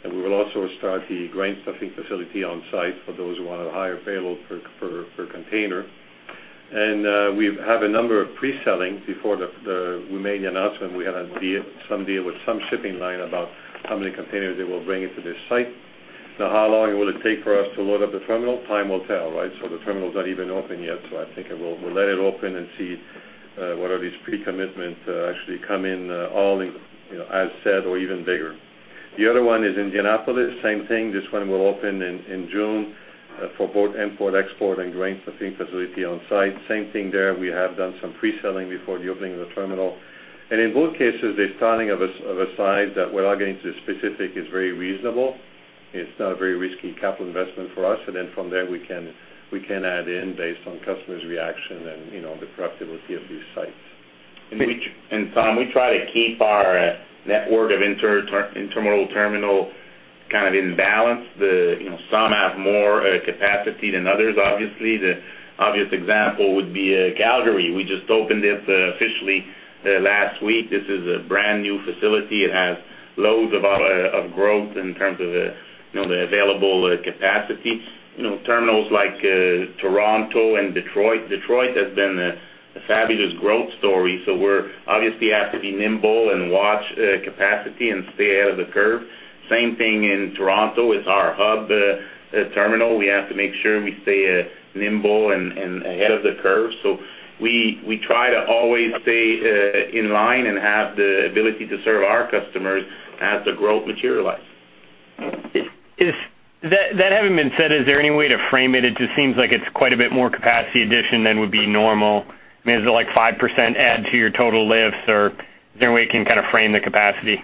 and we will also start the grain stuffing facility on site for those who want a higher payload per container. And we've have a number of pre-selling. Before we made the announcement, we had a deal, some deal with some shipping line about how many containers they will bring into this site. Now, how long will it take for us to load up the terminal? Time will tell, right? So the terminal is not even open yet, so I think it will- we'll let it open and see what are these pre-commitment actually come in, all in, you know, as said or even bigger. The other one is Indianapolis. Same thing. This one will open in June for both import, export and grain stuffing facility on site. Same thing there. We have done some pre-selling before the opening of the terminal. And in both cases, the starting of a size that, without getting into specific, is very reasonable. It's not a very risky capital investment for us, and then from there, we can add in based on customers' reaction and, you know, the profitability of these sites. And Tom, we try to keep our network of intermodal terminals kind of in balance. You know, some have more capacity than others, obviously. The obvious example would be Calgary. We just opened it officially last week. This is a brand-new facility. It has loads of growth in terms of you know, the available capacity. You know, terminals like Toronto and Detroit. Detroit has been a fabulous growth story, so we're obviously have to be nimble and watch capacity and stay ahead of the curve. Same thing in Toronto. It's our hub terminal. We have to make sure we stay nimble and ahead of the curve. So we try to always stay in line and have the ability to serve our customers as the growth materialize. Is that having been said, is there any way to frame it? It just seems like it's quite a bit more capacity addition than would be normal. I mean, is it like 5% add to your total lifts, or is there a way you can kind of frame the capacity?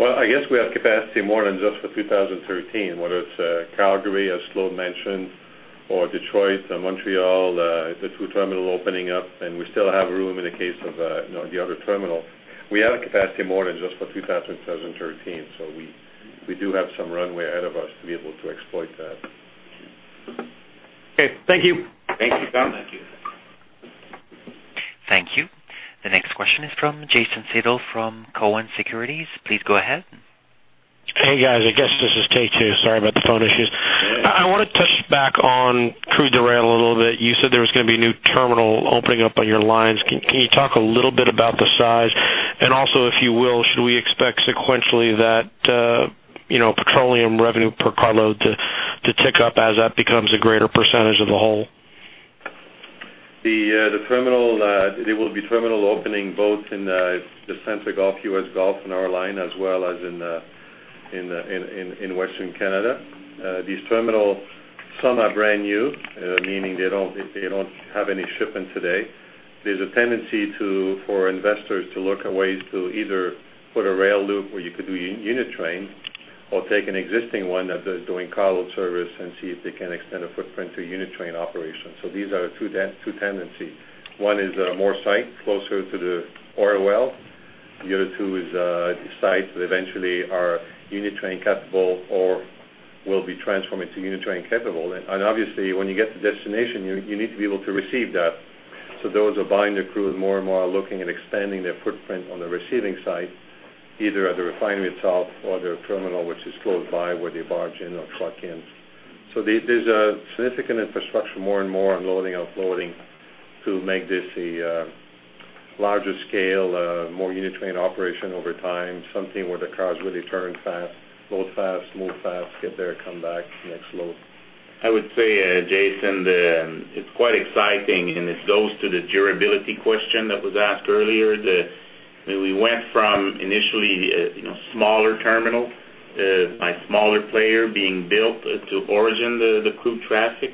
Well, I guess we have capacity more than just for 2013, whether it's, Calgary, as Claude mentioned, or Detroit, Montreal, the two terminal opening up, and we still have room in the case of, you know, the other terminal. We have a capacity more than just for 2,000, 2013, so we, we do have some runway ahead of us to be able to exploit that. Okay. Thank you. Thank you, Tom. Thank you. Thank you. The next question is from Jason Seidel, from Cowen Securities. Please go ahead. Hey, guys. I guess this is take two. Sorry about the phone issues. I want to touch back on crude rail a little bit. You said there was gonna be a new terminal opening up on your lines. Can you talk a little bit about the size? And also, if you will, should we expect sequentially that, you know, petroleum revenue per carload to tick up as that becomes a greater percentage of the whole? The terminal, there will be terminal opening both in the Central Gulf, US Gulf in our line, as well as in Western Canada. These terminals, some are brand new, meaning they don't have any shipment today. There's a tendency for investors to look at ways to either put a rail loop, or you could do unit train, or take an existing one that is doing carload service and see if they can extend a footprint to unit train operations. So these are two tendencies. One is more site closer to the oil well. The other two is sites that eventually are unit train capable or will be transformed into unit train capable. And obviously, when you get to destination, you need to be able to receive that. So those are buying the crude more and more, are looking at expanding their footprint on the receiving side, either at the refinery itself or their terminal, which is close by, where they barge in or truck in. So there, there's a significant infrastructure, more and more unloading, offloading, to make this a, larger scale, more unit train operation over time. Something where the cars really turn fast, load fast, move fast, get there, come back, next load. I would say, Jason, it's quite exciting, and it goes to the durability question that was asked earlier. We went from initially, you know, smaller terminal by smaller player being built to origin, the crude traffic.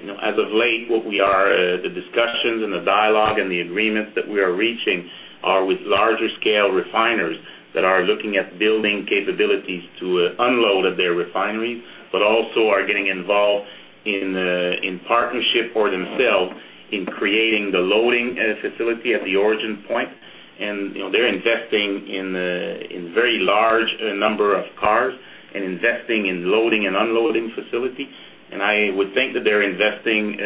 You know, as of late, what we are, the discussions and the dialogue and the agreements that we are reaching are with larger scale refiners that are looking at building capabilities to unload at their refineries, but also are getting involved in partnership for themselves, in creating the loading as a facility at the origin point. And, you know, they're investing in very large number of cars and investing in loading and unloading facilities. And I would think that they're investing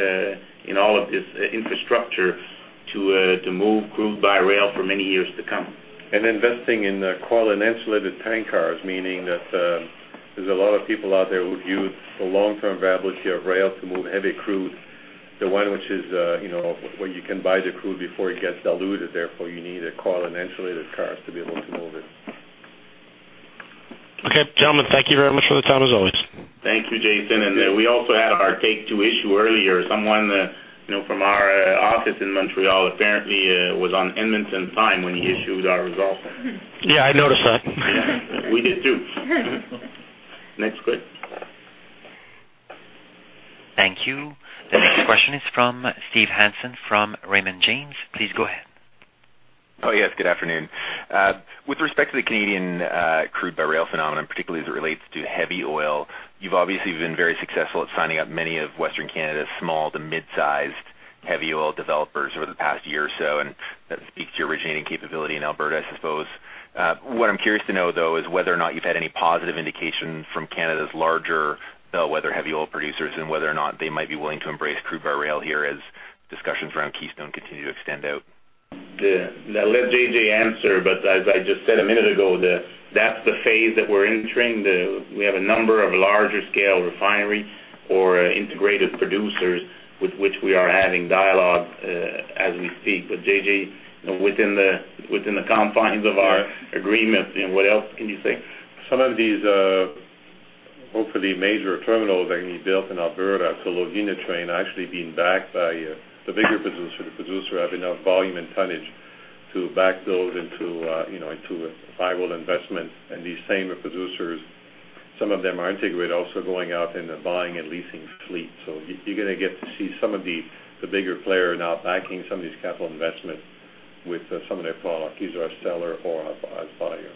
in all of this infrastructure to move crude by rail for many years to come. Investing in coiled and insulated tank cars, meaning that, there's a lot of people out there who view the long-term viability of rail to move heavy crude, the one which is, you know, where you can buy the crude before it gets diluted, therefore, you need a coiled and insulated cars to be able to move it. Okay, gentlemen, thank you very much for the time, as always. Thank you, Jason. We also had our take two issue earlier. Someone, you know, from our office in Montreal, apparently, was on Edmonton time when he issued our results. Yeah, I noticed that. We did, too. Next, please. Thank you. The next question is from Steve Hansen, from Raymond James. Please go ahead. Oh, yes, good afternoon. With respect to the Canadian crude by rail phenomenon, particularly as it relates to heavy oil, you've obviously been very successful at signing up many of Western Canada's small to mid-sized heavy oil developers over the past year or so, and that speaks to your originating capability in Alberta, I suppose. What I'm curious to know, though, is whether or not you've had any positive indication from Canada's larger bellwether heavy oil producers, and whether or not they might be willing to embrace crude by rail here as discussions around Keystone continue to extend out. I'll let JJ answer, but as I just said a minute ago, that's the phase that we're entering. We have a number of larger scale refineries or integrated producers with which we are having dialogue as we speak. But JJ, within the confines of our agreements, what else can you say? Some of these, hopefully major terminals are being built in Alberta to load unit train, actually being backed by the bigger producer. The producer have enough volume and tonnage to backfill into, you know, into a viable investment. And these same producers, some of them are integrated, also going out and buying and leasing fleet. So you, you're gonna get to see some of the, the bigger players now backing some of these capital investments with some of their product, either as seller or as, as buyer.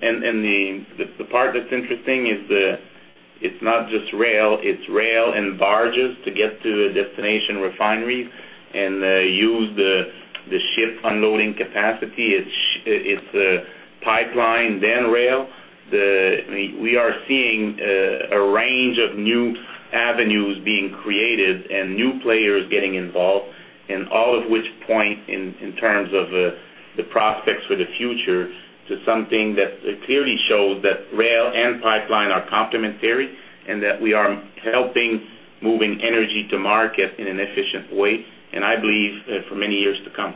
The part that's interesting is it's not just rail, it's rail and barges to get to the destination refineries and use the ship unloading capacity. It's pipeline, then rail. We are seeing a range of new avenues being created and new players getting involved, and all of which point, in terms of the prospects for the future, to something that clearly shows that rail and pipeline are complementary, and that we are helping moving energy to market in an efficient way, and I believe for many years to come.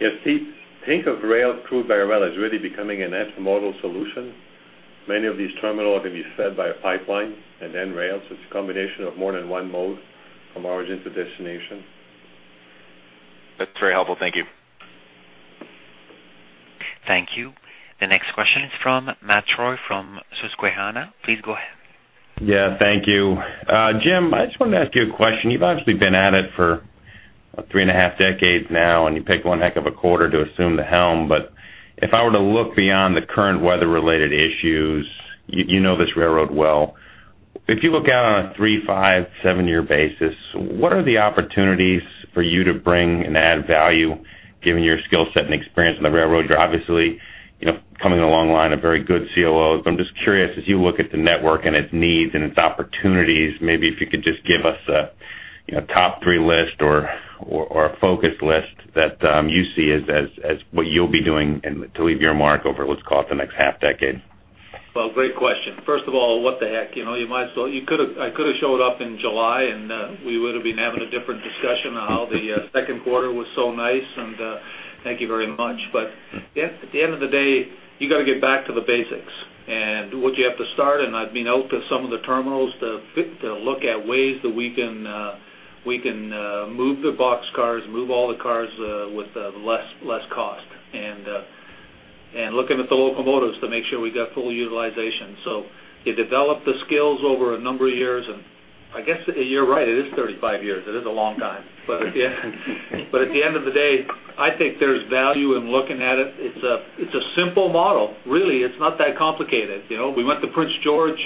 Yes, Steve, think of rail, crude by rail as really becoming a net model solution. Many of these terminals are going to be fed by a pipeline and then rail. So it's a combination of more than one mode from origin to destination. That's very helpful. Thank you. Thank you. The next question is from Matt Troy, from Susquehanna. Please go ahead. Yeah, thank you. Jim, I just wanted to ask you a question. You've obviously been at it for three and a half decades now, and you picked one heck of a quarter to assume the helm. But if I were to look beyond the current weather-related issues, you know this railroad well. If you look out on a 3, 5, 7-year basis, what are the opportunities for you to bring and add value, given your skill set and experience in the railroad? You're obviously, you know, coming a long line of very good COOs. I'm just curious, as you look at the network and its needs and its opportunities, maybe if you could just give us a, you know, top three list or a focus list that you see as what you'll be doing and to leave your mark over what's called the next half decade? Well, great question. First of all, what the heck? You know, you might as well—you could have, I could have showed up in July, and we would have been having a different discussion on how the second quarter was so nice, and thank you very much. But yeah, at the end of the day, you got to get back to the basics and what you have to start, and I've been out to some of the terminals to fit, to look at ways that we can move the boxcars, move all the cars with less cost. And looking at the locomotives to make sure we got full utilization. So you develop the skills over a number of years and ... I guess you're right, it is 35 years. It is a long time. But at the end, but at the end of the day, I think there's value in looking at it. It's a, it's a simple model, really. It's not that complicated. You know, we went to Prince George,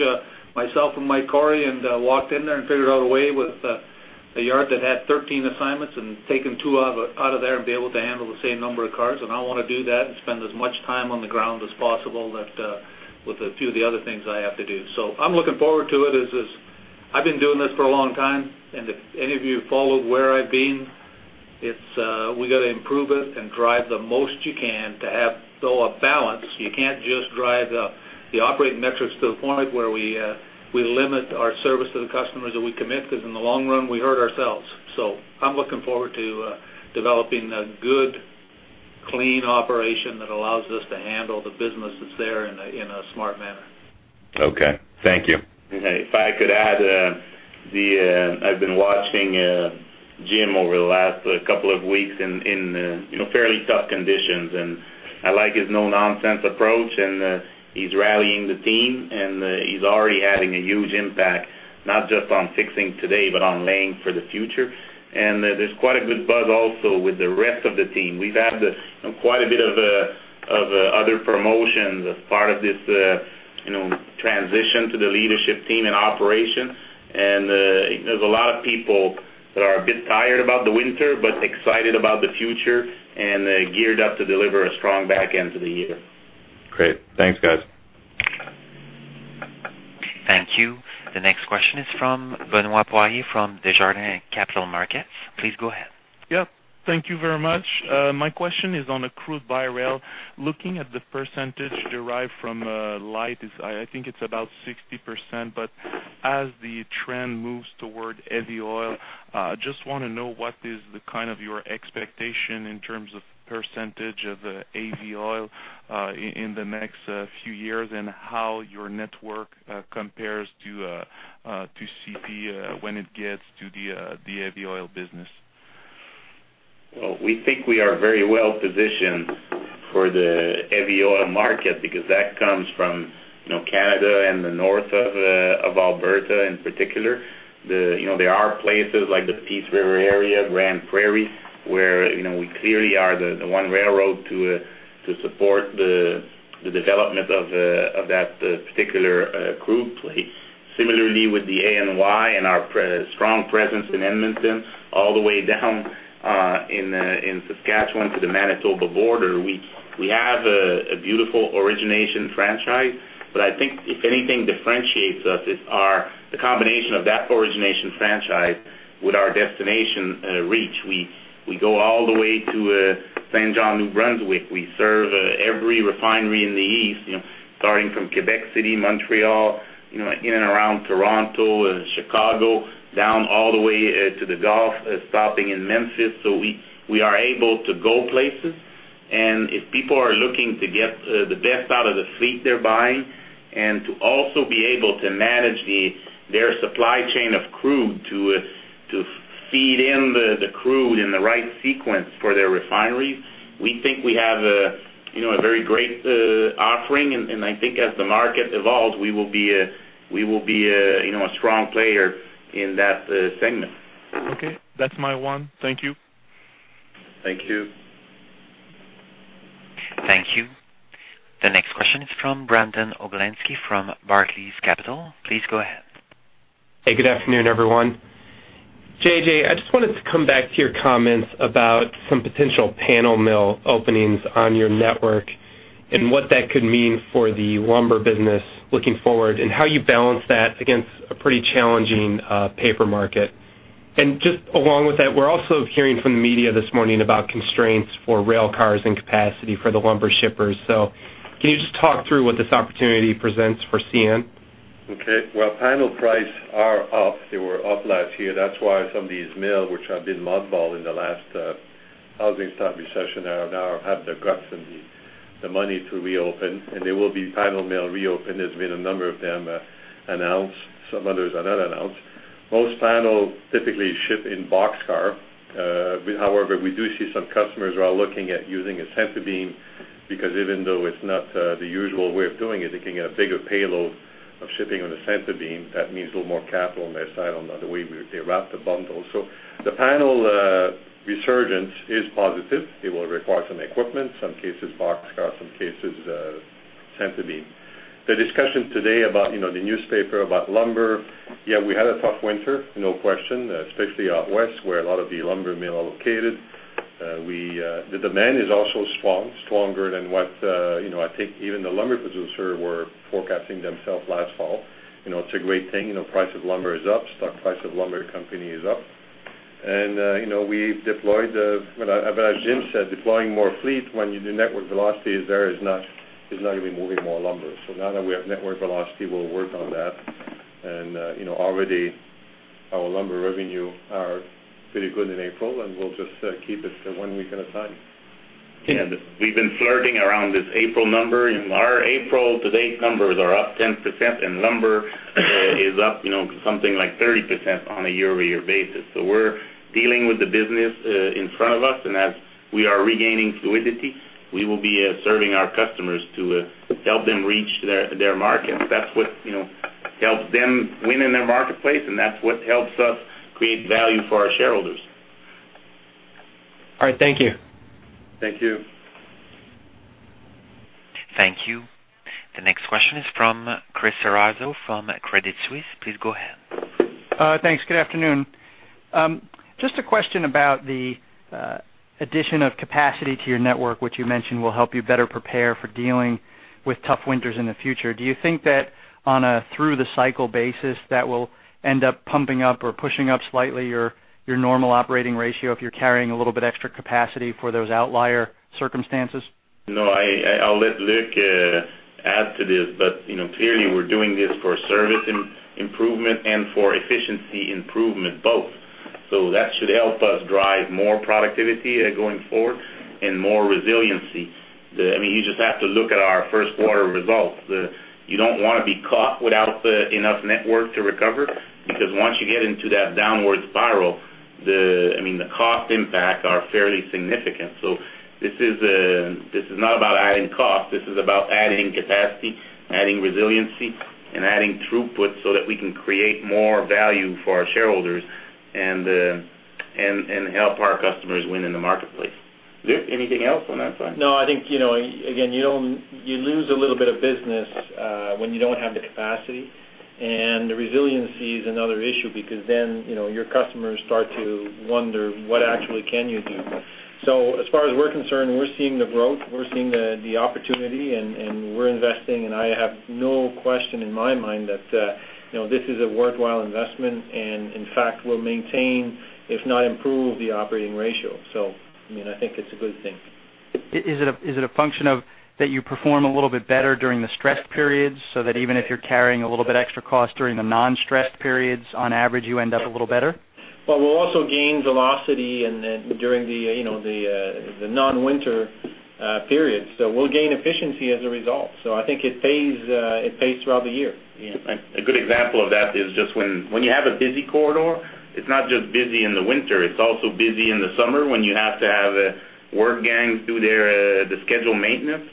myself and Mike Cory, and walked in there and figured out a way with a yard that had 13 assignments and taken two out of, out of there and be able to handle the same number of cars. And I wanna do that and spend as much time on the ground as possible that with a few of the other things I have to do. So I'm looking forward to it. As is, I've been doing this for a long time, and if any of you followed where I've been, it's we got to improve it and drive the most you can to have, though, a balance. You can't just drive the operating metrics to the point where we limit our service to the customers that we commit, 'cause in the long run, we hurt ourselves. So I'm looking forward to developing a good, clean operation that allows us to handle the business that's there in a smart manner. Okay, thank you. If I could add, I've been watching Jim over the last couple of weeks in, you know, fairly tough conditions, and I like his no-nonsense approach, and he's rallying the team, and he's already having a huge impact, not just on fixing today, but on laying for the future. And there's quite a good buzz also with the rest of the team. We've had quite a bit of other promotions as part of this, you know, transition to the leadership team and operations. And there's a lot of people that are a bit tired about the winter, but excited about the future and geared up to deliver a strong back end to the year. Great. Thanks, guys. Thank you. The next question is from Benoit Poirier, from Desjardins Capital Markets. Please go ahead. Yep, thank you very much. My question is on crude by rail. Looking at the percentage derived from light oil—I think it's about 60%, but as the trend moves toward heavy oil, just wanna know, what is the kind of your expectation in terms of percentage of heavy oil in the next few years, and how your network compares to CP when it gets to the heavy oil business? Well, we think we are very well positioned for the heavy oil market because that comes from, you know, Canada and the north of, of Alberta in particular. The, you know, there are places like the Peace River area, Grande Prairie, where, you know, we clearly are the, the one railroad to, to support the, the development of, of that, particular, crude plays. Similarly, with the CN and our previous strong presence in Edmonton, all the way down, in, in Saskatchewan to the Manitoba border, we, we have a, a beautiful origination franchise. But I think if anything differentiates us, it's our, the combination of that origination franchise with our destination, reach. We, we go all the way to, Saint John, New Brunswick. We serve every refinery in the east, you know, starting from Quebec City, Montreal, you know, in and around Toronto, Chicago, down all the way to the Gulf, stopping in Memphis. So we, we are able to go places. And if people are looking to get the best out of the fleet they're buying and to also be able to manage the, their supply chain of crude to to feed in the the crude in the right sequence for their refineries, we think we have a, you know, a very great offering. And, and I think as the market evolves, we will be a, we will be a, you know, a strong player in that segment. Okay, that's my one. Thank you. Thank you. Thank you. The next question is from Brandon Oglenski from Barclays Capital. Please go ahead. Hey, good afternoon, everyone. JJ, I just wanted to come back to your comments about some potential panel mill openings on your network and what that could mean for the lumber business looking forward, and how you balance that against a pretty challenging paper market. And just along with that, we're also hearing from the media this morning about constraints for rail cars and capacity for the lumber shippers. So can you just talk through what this opportunity presents for CN? Okay. Well, panel prices are up. They were up last year. That's why some of these mills, which have been mothballed in the last housing stock recession, are now have the guts and the money to reopen, and there will be panel mill reopen. There's been a number of them announced. Some others are not announced. Most panels typically ship in boxcar. However, we do see some customers are looking at using a center beam, because even though it's not the usual way of doing it, they can get a bigger payload of shipping on a center beam. That means a little more capital on their side, on the way they wrap the bundle. So the panel resurgence is positive. It will require some equipment, some cases boxcar, some cases center beam. The discussion today about, you know, the newspaper, about lumber, yeah, we had a tough winter, no question, especially out west, where a lot of the lumber mill are located. We, the demand is also strong, stronger than what, you know, I think even the lumber producer were forecasting themselves last fall. You know, it's a great thing. You know, price of lumber is up. Stock price of lumber company is up. And, you know, we've deployed, but as Jim said, deploying more fleet when the network velocity is there, is not, is not even moving more lumber. So now that we have network velocity, we'll work on that. And, you know, already our lumber revenue are pretty good in April, and we'll just, keep it to one week at a time. And we've been flirting around this April number, and our April to date numbers are up 10%, and lumber is up, you know, something like 30% on a year-over-year basis. So we're dealing with the business in front of us, and as we are regaining fluidity, we will be serving our customers to help them reach their, their markets. That's what, you know, helps them win in their marketplace, and that's what helps us create value for our shareholders.... All right, thank you. Thank you. Thank you. The next question is from Chris Ceraso from Credit Suisse. Please go ahead. Thanks. Good afternoon. Just a question about the addition of capacity to your network, which you mentioned will help you better prepare for dealing with tough winters in the future. Do you think that on a through-the-cycle basis, that will end up pumping up or pushing up slightly your normal operating ratio if you're carrying a little bit extra capacity for those outlier circumstances? No, I'll let Luc add to this, but you know, clearly we're doing this for service improvement and for efficiency improvement both. So that should help us drive more productivity going forward and more resiliency. I mean, you just have to look at our first quarter results. You don't wanna be caught without enough network to recover, because once you get into that downward spiral, I mean, the cost impacts are fairly significant. So this is not about adding cost. This is about adding capacity, adding resiliency, and adding throughput so that we can create more value for our shareholders and help our customers win in the marketplace. Luc, anything else on that side? No, I think, you know, again, you don't... You lose a little bit of business when you don't have the capacity, and the resiliency is another issue because then, you know, your customers start to wonder what actually can you do? So as far as we're concerned, we're seeing the growth, we're seeing the opportunity, and we're investing, and I have no question in my mind that, you know, this is a worthwhile investment, and in fact, will maintain, if not improve, the operating ratio. So, I mean, I think it's a good thing. Is it a function of that you perform a little bit better during the stress periods, so that even if you're carrying a little bit extra cost during the non-stress periods, on average, you end up a little better? Well, we'll also gain velocity and then during the, you know, the non-winter periods, so we'll gain efficiency as a result. So I think it pays, it pays throughout the year. Yeah. A good example of that is just when you have a busy corridor. It's not just busy in the winter. It's also busy in the summer when you have to have work gangs do their scheduled maintenance.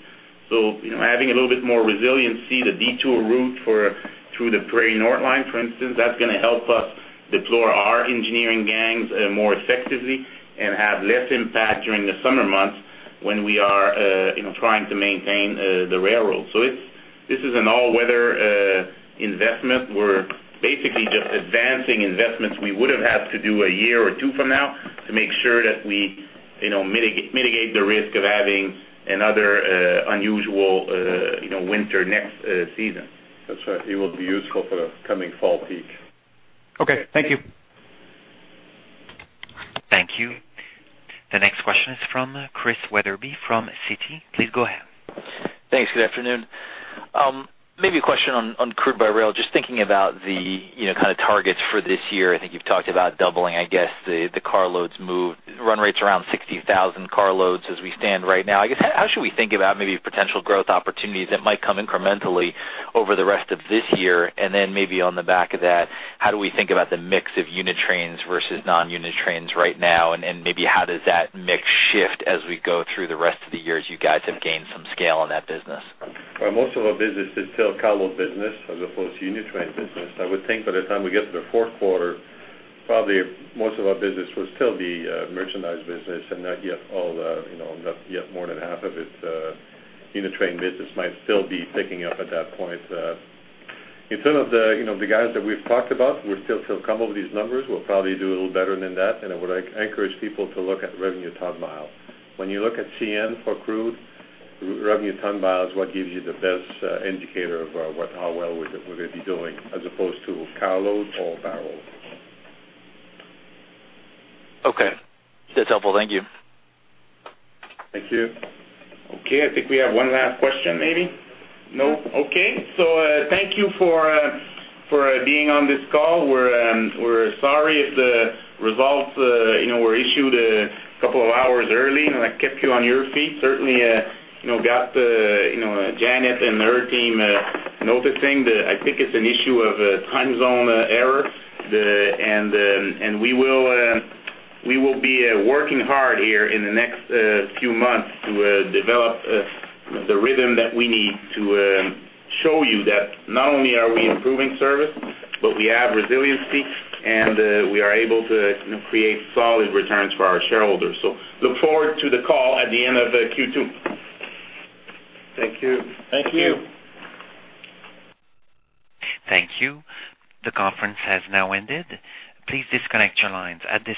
So, you know, adding a little bit more resiliency, the detour route through the Prairie North Line, for instance, that's gonna help us deploy our engineering gangs more effectively and have less impact during the summer months when we are, you know, trying to maintain the railroad. So it's this is an all-weather investment. We're basically just advancing investments we would have had to do a year or two from now to make sure that we, you know, mitigate the risk of having another unusual, you know, winter next season. That's right. It will be useful for the coming fall peak. Okay. Thank you. Thank you. The next question is from Chris Wetherbee from Citi. Please go ahead. Thanks. Good afternoon. Maybe a question on crude by rail. Just thinking about the, you know, kind of targets for this year. I think you've talked about doubling, I guess, the carloads moved. Run rates around 60,000 carloads as we stand right now. I guess, how should we think about maybe potential growth opportunities that might come incrementally over the rest of this year? And then maybe on the back of that, how do we think about the mix of unit trains versus non-unit trains right now? And maybe how does that mix shift as we go through the rest of the year, as you guys have gained some scale on that business? Well, most of our business is still carload business as opposed to unit train business. I would think by the time we get to the fourth quarter, probably most of our business will still be merchandise business and not yet all the, you know, not yet more than half of it unit train business might still be picking up at that point. In terms of the, you know, the guidance that we've talked about, we're still to come up with these numbers. We'll probably do a little better than that, and I would like encourage people to look at revenue ton mile. When you look at CN for crude, revenue ton mile is what gives you the best indicator of what, how well we're, we're gonna be doing, as opposed to carloads or barrels. Okay. That's helpful. Thank you. Thank you. Okay, I think we have one last question, maybe. No? Okay. So, thank you for being on this call. We're, we're sorry if the results, you know, were issued a couple of hours early, and I kept you on your feet. Certainly, you know, got, you know, Janet and her team noticing the... I think it's an issue of time zone error. And we will, we will be working hard here in the next few months to develop the rhythm that we need to show you that not only are we improving service, but we have resiliency, and we are able to, you know, create solid returns for our shareholders. So look forward to the call at the end of the Q2. Thank you. Thank you. Thank you. The conference has now ended. Please disconnect your lines. At this-